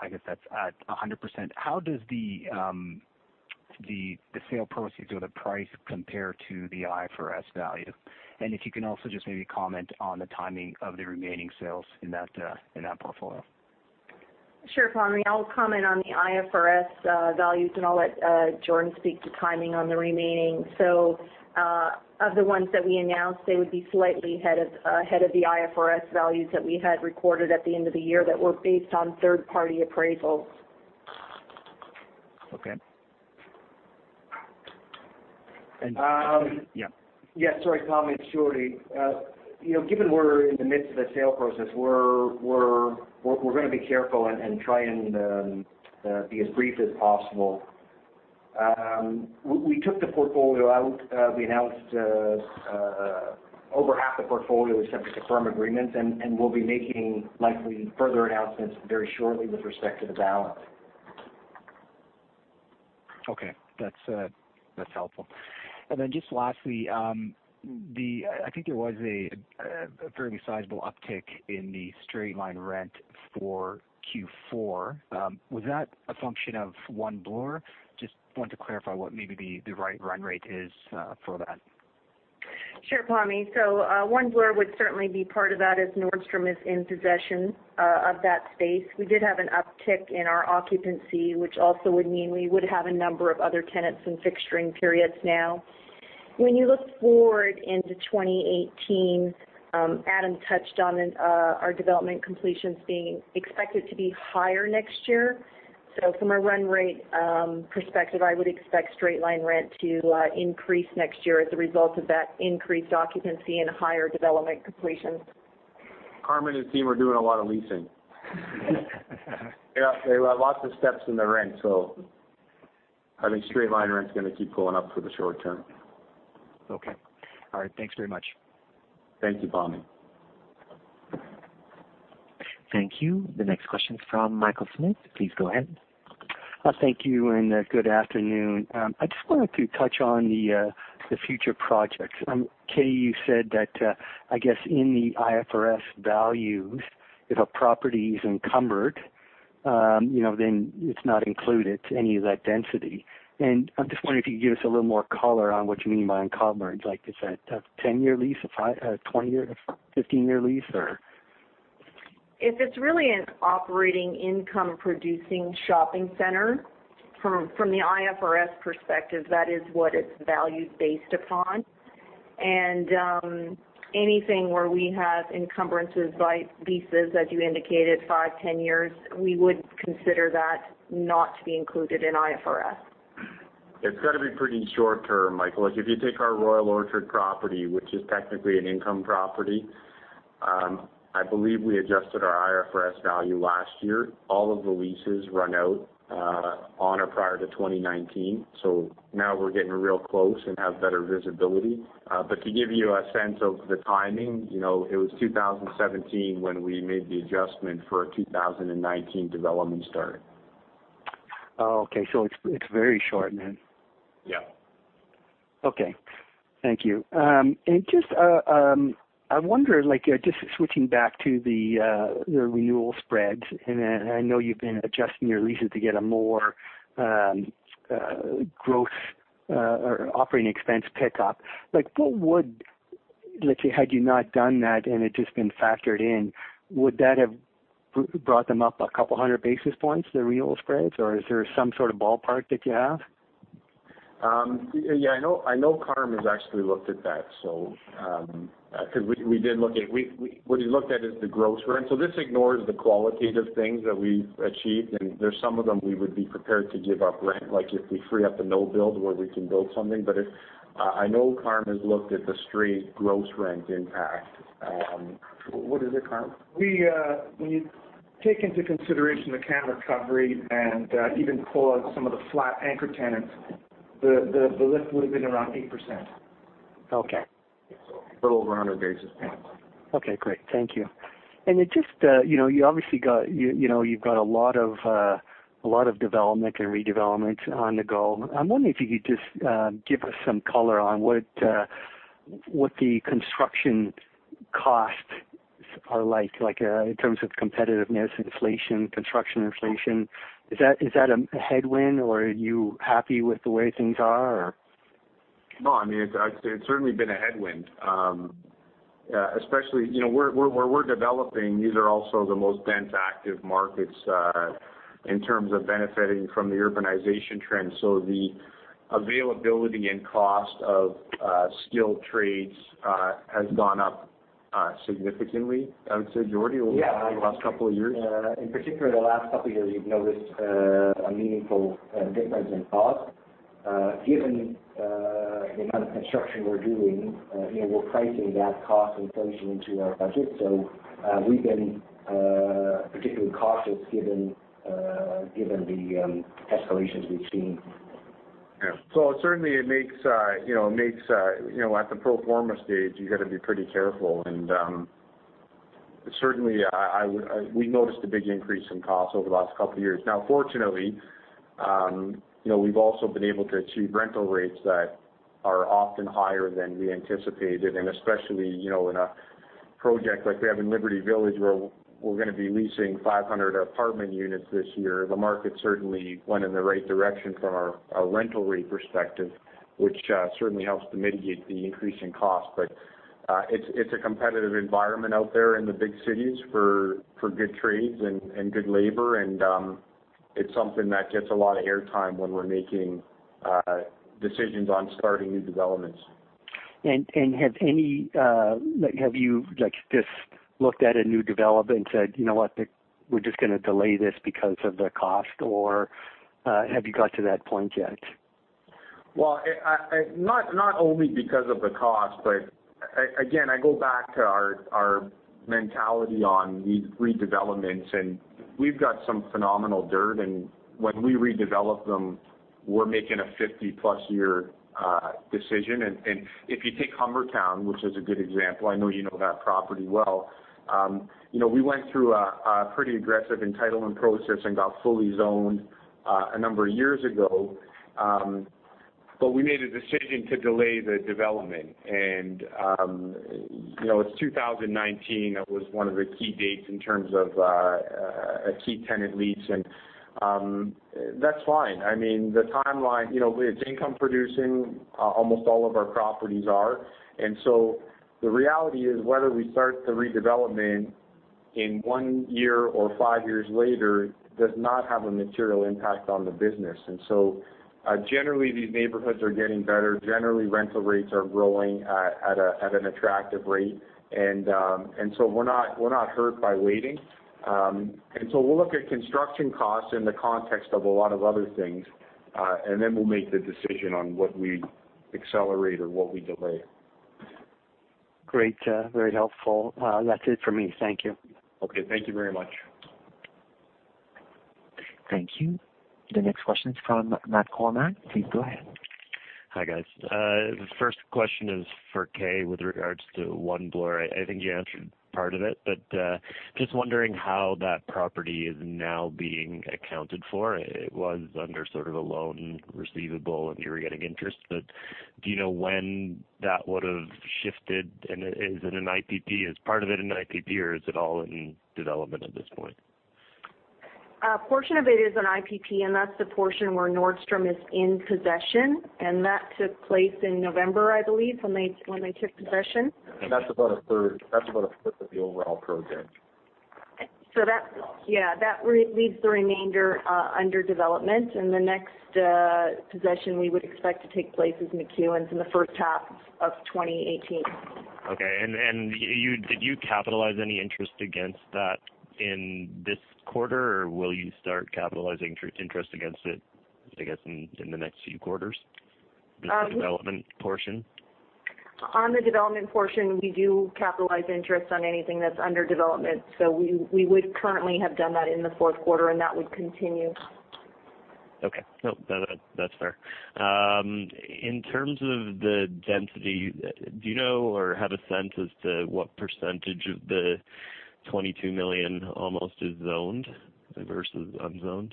I guess that's at 100%. How does the sale proceeds or the price compare to the IFRS value? If you can also just maybe comment on the timing of the remaining sales in that portfolio. Sure, Pammi. I'll comment on the IFRS values. I'll let Jordie speak to timing on the remaining. Of the ones that we announced, they would be slightly ahead of the IFRS values that we had recorded at the end of the year that were based on third-party appraisals. Okay. Sorry, Pammi, it's Jordie. Given we're in the midst of the sale process, we're going to be careful and try and be as brief as possible. We took the portfolio out. We announced over half the portfolio is subject to firm agreements. We'll be making likely further announcements very shortly with respect to the balance. That's helpful. Just lastly, I think there was a fairly sizable uptick in the straight-line rent for Q4. Was that a function of One Bloor? Just want to clarify what maybe the right run rate is for that. Sure, Pammi. One Bloor would certainly be part of that, as Nordstrom is in possession of that space. We did have an uptick in our occupancy, which also would mean we would have a number of other tenants in fixturing periods now. When you look forward into 2018, Adam touched on our development completions being expected to be higher next year. From a run rate perspective, I would expect straight-line rent to increase next year as a result of that increased occupancy and higher development completions. Carmen and the team are doing a lot of leasing. They have lots of steps in the rent, I think straight-line rent is going to keep going up for the short term. Okay. All right. Thanks very much. Thank you, Tommy. Thank you. The next question is from Michael Markidis. Please go ahead. Thank you. Good afternoon. I just wanted to touch on the future projects. Kay, you said that, I guess, in the IFRS values, if a property is encumbered, then it's not included to any of that density. I'm just wondering if you could give us a little more color on what you mean by encumbered. Is that a 10-year lease, a 20-year, 15-year lease, or? If it's really an operating income producing shopping center, from the IFRS perspective, that is what it's valued based upon. Anything where we have encumbrances by leases, as you indicated, five, 10 years, we would consider that not to be included in IFRS. It's got to be pretty short-term, Michael. If you take our Royal Orchard property, which is technically an income property, I believe we adjusted our IFRS value last year. All of the leases run out on or prior to 2019. Now we're getting real close and have better visibility. To give you a sense of the timing, it was 2017 when we made the adjustment for a 2019 development start. Oh, okay. It's very short then. Yeah. Okay. Thank you. I wonder, just switching back to the renewal spreads, I know you've been adjusting your leases to get a more growth or operating expense pickup. Let's say, had you not done that, and it had just been factored in, would that have brought them up 200 basis points, the renewal spreads, or is there some sort of ballpark that you have? Yeah, I know Carm has actually looked at that. What he looked at is the gross rent. This ignores the qualitative things that we've achieved, and there's some of them we would be prepared to give up rent, like if we free up the no-build where we can build something. I know Carm has looked at the straight gross rent impact. What is it, Carm? We take into consideration the CAM recovery and even pull out some of the flat anchor tenants. The lift would've been around 8%. Okay. A little over 100 basis points. Okay, great. Thank you. You've obviously got a lot of development and redevelopment on the go. I'm wondering if you could just give us some color on what the construction costs are like in terms of competitiveness, inflation, construction inflation. Is that a headwind or are you happy with the way things are, or? No, it's certainly been a headwind. Especially where we're developing, these are also the most dense, active markets, in terms of benefiting from the urbanization trend. The availability and cost of skilled trades has gone up significantly, I would say, Jordie, over the last two years. In particular, the last two years, we've noticed a meaningful difference in cost. Given the amount of construction we're doing, we're pricing that cost inflation into our budget. We've been particularly cautious given the escalations we've seen. Certainly it makes, at the pro forma stage, you got to be pretty careful, and, certainly, we noticed a big increase in costs over the last two years. Now, fortunately, we've also been able to achieve rental rates that are often higher than we anticipated, and especially, in a project like we have in Liberty Village, where we're going to be leasing 500 apartment units this year. The market certainly went in the right direction from our rental rate perspective, which certainly helps to mitigate the increase in cost. It's a competitive environment out there in the big cities for good trades and good labor, and, it's something that gets a lot of air time when we're making decisions on starting new developments. Have you just looked at a new development and said, "You know what? We're just going to delay this because of the cost," or have you got to that point yet? Not only because of the cost, again, I go back to our mentality on these redevelopments. We've got some phenomenal dirt. When we redevelop them, we're making a 50-plus year decision. If you take Humbertown, which is a good example, I know you know that property well. We went through a pretty aggressive entitlement process and got fully zoned a number of years ago, but we made a decision to delay the development. It's 2019. That was one of the key dates in terms of a key tenant lease, and that's fine. It's income producing. Almost all of our properties are. The reality is, whether we start the redevelopment in one year or five years later does not have a material impact on the business. Generally these neighborhoods are getting better. Generally rental rates are growing at an attractive rate. We're not hurt by waiting. We'll look at construction costs in the context of a lot of other things. Then we'll make the decision on what we accelerate or what we delay. Great. Very helpful. That's it for me. Thank you. Okay, thank you very much. Thank you. The next question is from Matt Kornack. Please go ahead. Hi, guys. The first question is for Kay with regards to One Bloor. I think you answered part of it, but just wondering how that property is now being accounted for. It was under sort of a loan receivable and you were getting interest, but do you know when that would've shifted? Is it an IPP, is part of it an IPP or is it all in development at this point? A portion of it is an IPP. That's the portion where Nordstrom is in possession. That took place in November, I believe, when they took possession. That's about a third of the overall project. that, yeah, that leaves the remainder under development. The next possession we would expect to take place is McEwen's in the first half of 2018. Okay. Did you capitalize any interest against that in this quarter, or will you start capitalizing interest against it, I guess, in the next few quarters, the development portion? On the development portion, we do capitalize interest on anything that's under development, we would currently have done that in the fourth quarter, that would continue. Okay. No, that's fair. In terms of the density, do you know or have a sense as to what % of the 22 million, almost, is zoned versus unzoned?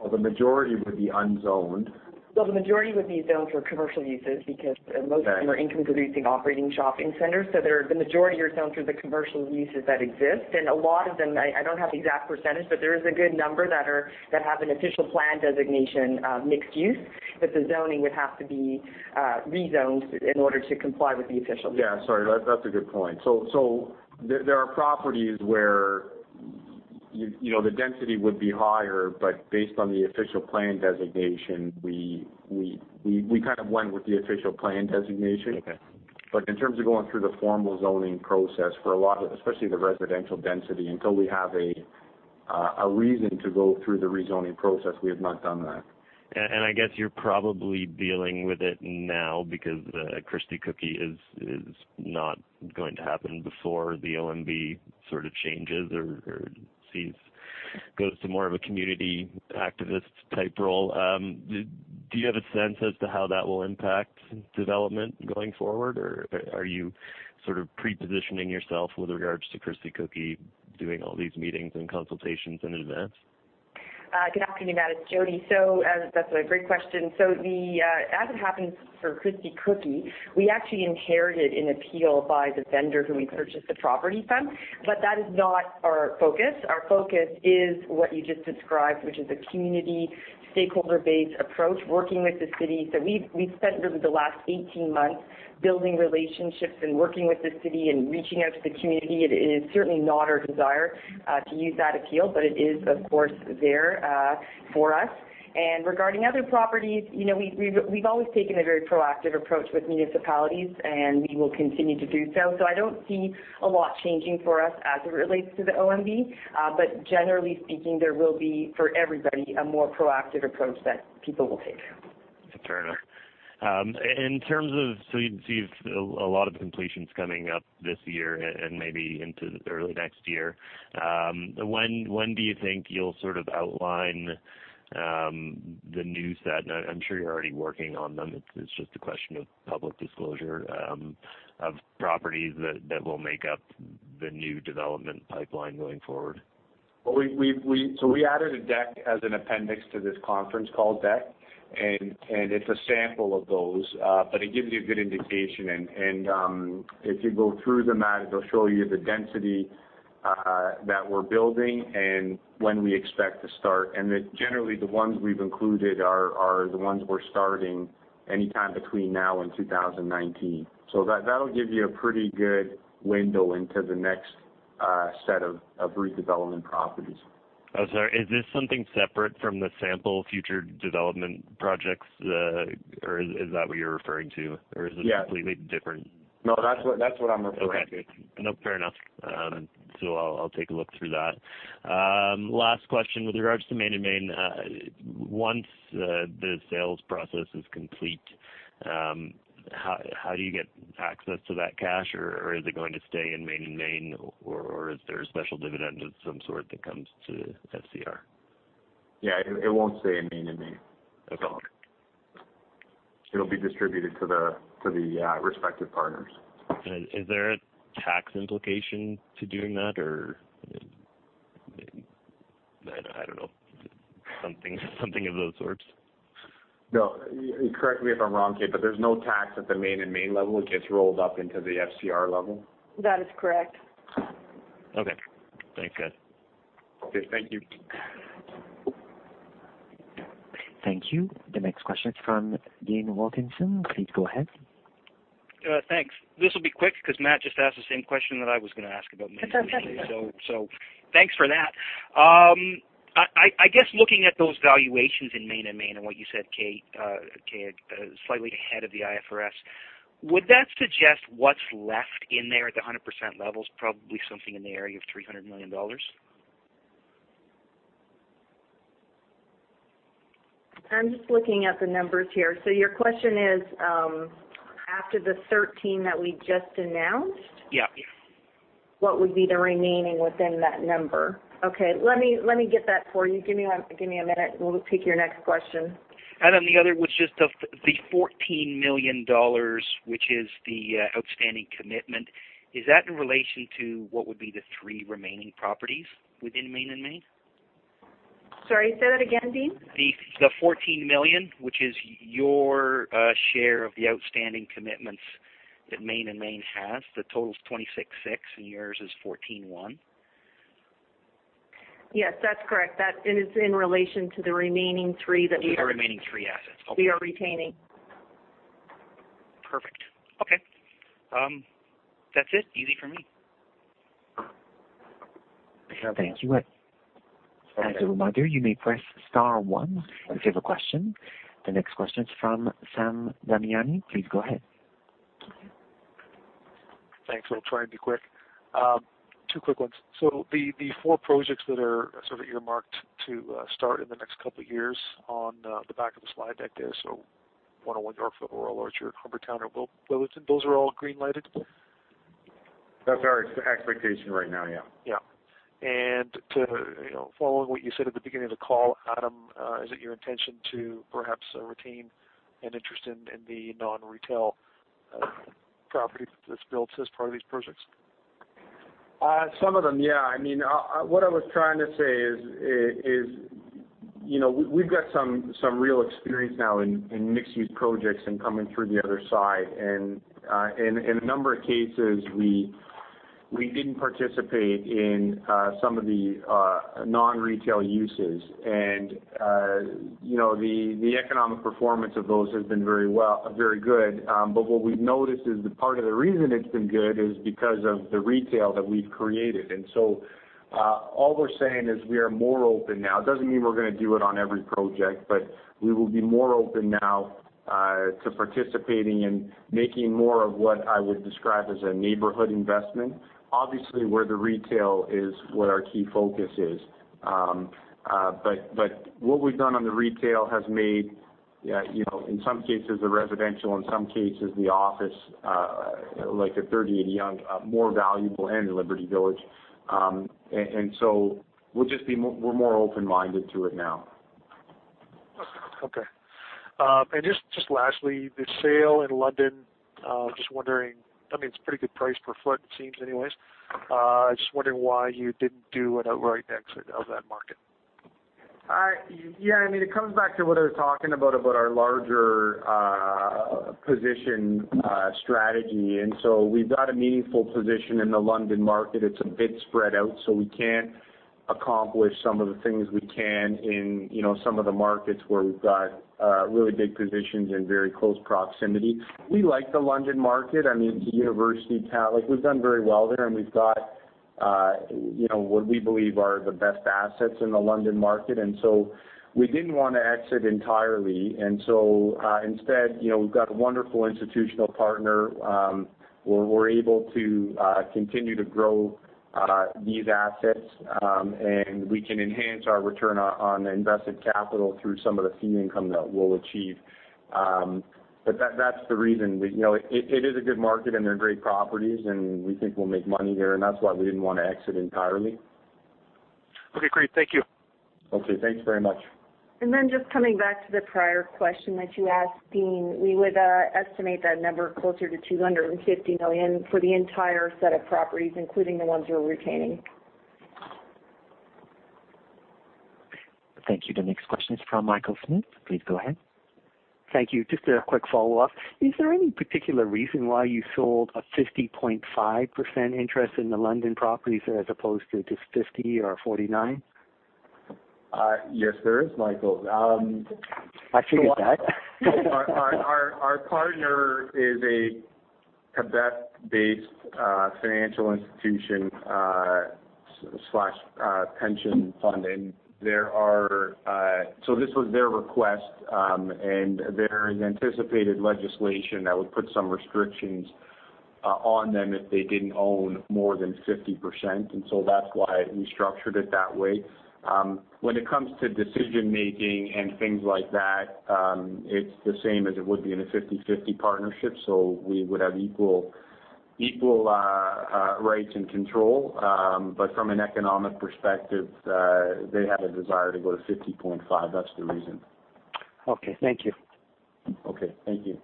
Well, the majority would be unzoned. Well, the majority would be zoned for commercial uses because most of them are income-producing operating shopping centers. The majority are zoned for the commercial uses that exist. A lot of them, I don't have the exact percentage, but there is a good number that have an official plan designation of mixed use. The zoning would have to be rezoned in order to comply with the official use. Yeah, sorry. That's a good point. There are properties where the density would be higher, but based on the official plan designation, we kind of went with the official plan designation. Okay. In terms of going through the formal zoning process for a lot of, especially the residential density, until we have a reason to go through the rezoning process, we have not done that. I guess you're probably dealing with it now because the Christie Cookie is not going to happen before the OMB sort of changes or goes to more of a community activist type role. Do you have a sense as to how that will impact development going forward, or are you sort of pre-positioning yourself with regards to Christie Cookie doing all these meetings and consultations in advance? Good afternoon, Matt. It's Jodi. That's a great question. As it happens for Christie Cookie, we actually inherited an appeal by the vendor who we purchased the property from. That is not our focus. Our focus is what you just described, which is a community stakeholder-based approach, working with the city. We've spent the last 18 months building relationships and working with the city and reaching out to the community. It is certainly not our desire to use that appeal, but it is, of course, there for us. Regarding other properties, we've always taken a very proactive approach with municipalities, and we will continue to do so. I don't see a lot changing for us as it relates to the OMB. Generally speaking, there will be, for everybody, a more proactive approach that people will take. Fair enough. You see a lot of completions coming up this year and maybe into early next year. When do you think you'll sort of outline the new set? I'm sure you're already working on them. It's just a question of public disclosure of properties that will make up the new development pipeline going forward. We added a deck as an appendix to this conference call deck, it's a sample of those, but it gives you a good indication. If you go through them, Matt, it'll show you the density that we're building and when we expect to start. Generally, the ones we've included are the ones we're starting anytime between now and 2019. That'll give you a pretty good window into the next set of redevelopment properties. Oh, sorry. Is this something separate from the sample future development projects, or is that what you're referring to? Yeah completely different? No, that's what I'm referring to. Okay. No, fair enough. I'll take a look through that. Last question with regards to Main and Main. Once the sales process is complete, how do you get access to that cash, or is it going to stay in Main and Main, or is there a special dividend of some sort that comes to FCR? Yeah, it won't stay in Main and Main at all. Okay. It'll be distributed to the respective partners. Is there a tax implication to doing that, or I don't know. Something of those sorts? No. Correct me if I'm wrong, Kate, but there's no tax at the Main and Main level. It gets rolled up into the FCR level. That is correct. Okay. Thanks, guys. Okay, thank you. Thank you. The next question is from Dean Wilkinson. Please go ahead. Thanks. This will be quick because Matt just asked the same question that I was going to ask about Main and Main. That's okay. Thanks for that. I guess looking at those valuations in Main and Main and what you said, Kay, slightly ahead of the IFRS, would that suggest what's left in there at the 100% level is probably something in the area of 300 million dollars? I'm just looking at the numbers here. Your question is, after the 13 that we just announced? Yeah. What would be the remaining within that number? Okay. Let me get that for you. Give me a minute, we'll take your next question. The other was just of the 14 million dollars, which is the outstanding commitment. Is that in relation to what would be the three remaining properties within Main and Main? Sorry, say that again, Dean. The 14 million, which is your share of the outstanding commitments that Main and Main has. The total's 26.6, yours is 14.1. Yes, that's correct. That is in relation to the remaining three. The remaining three assets. Okay. We are retaining. Perfect. Okay. That's it, easy for me. Thank you. As a reminder, you may press star one if you have a question. The next question is from Sam Damiani. Please go ahead. Thanks. I'll try and be quick. Two quick ones. The four projects that are earmarked to start in the next couple of years on the back of the slide deck there, 101 Yorkville, Royal Orchard, Humbertown, or Williston, those are all green-lighted? That's our expectation right now, yeah. Yeah. To, following what you said at the beginning of the call, Adam, is it your intention to perhaps retain an interest in the non-retail properties that's built as part of these projects? Some of them, yeah. What I was trying to say is we've got some real experience now in mixed-use projects and coming through the other side. In a number of cases, we didn't participate in some of the non-retail uses. The economic performance of those has been very good. What we've noticed is that part of the reason it's been good is because of the retail that we've created. All we're saying is we are more open now. It doesn't mean we're going to do it on every project, but we will be more open now to participating in making more of what I would describe as a neighborhood investment. Obviously, where the retail is what our key focus is. What we've done on the retail has made, in some cases the residential, in some cases the office, like at 30 Yonge, more valuable and Liberty Village. We're more open-minded to it now. Okay. Just lastly, the sale in London, just wondering, I mean, it's a pretty good price per foot, it seems anyways. Just wondering why you didn't do an outright exit of that market. Yeah. It comes back to what I was talking about our larger position strategy. We've got a meaningful position in the London market. It's a bit spread out, so we can't accomplish some of the things we can in some of the markets where we've got really big positions in very close proximity. We like the London market. We've done very well there, and we've got what we believe are the best assets in the London market. We didn't want to exit entirely. Instead, we've got a wonderful institutional partner, where we're able to continue to grow these assets. We can enhance our return on invested capital through some of the fee income that we'll achieve. That's the reason. It is a good market, and they're great properties, and we think we'll make money there, and that's why we didn't want to exit entirely. Okay, great. Thank you. Okay, thanks very much. Just coming back to the prior question that you asked, Dean, we would estimate that number closer to 250 million for the entire set of properties, including the ones we're retaining. Thank you. The next question is from Michael Markidis. Please go ahead. Thank you. Just a quick follow-up. Is there any particular reason why you sold a 50.5% interest in the London properties as opposed to just 50 or 49? Yes, there is, Michael. I should have guessed. Our partner is a Quebec-based financial institution/pension fund. This was their request, and there is anticipated legislation that would put some restrictions on them if they didn't own more than 50%. That's why we structured it that way. When it comes to decision-making and things like that, it's the same as it would be in a 50/50 partnership. We would have equal rights and control. From an economic perspective, they had a desire to go to 50.5. That's the reason. Okay. Thank you. Okay. Thank you.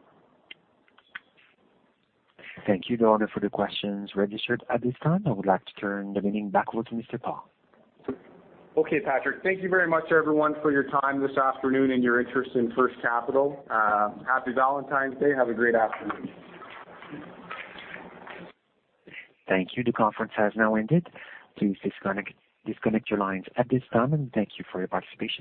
Thank you. Those are for the questions registered at this time. I would like to turn the meeting back over to Mr. Paul. Okay. Patrick. Thank you very much, everyone, for your time this afternoon and your interest in First Capital. Happy Valentine's Day. Have a great afternoon. Thank you. The conference has now ended. Please disconnect your lines at this time. Thank you for your participation.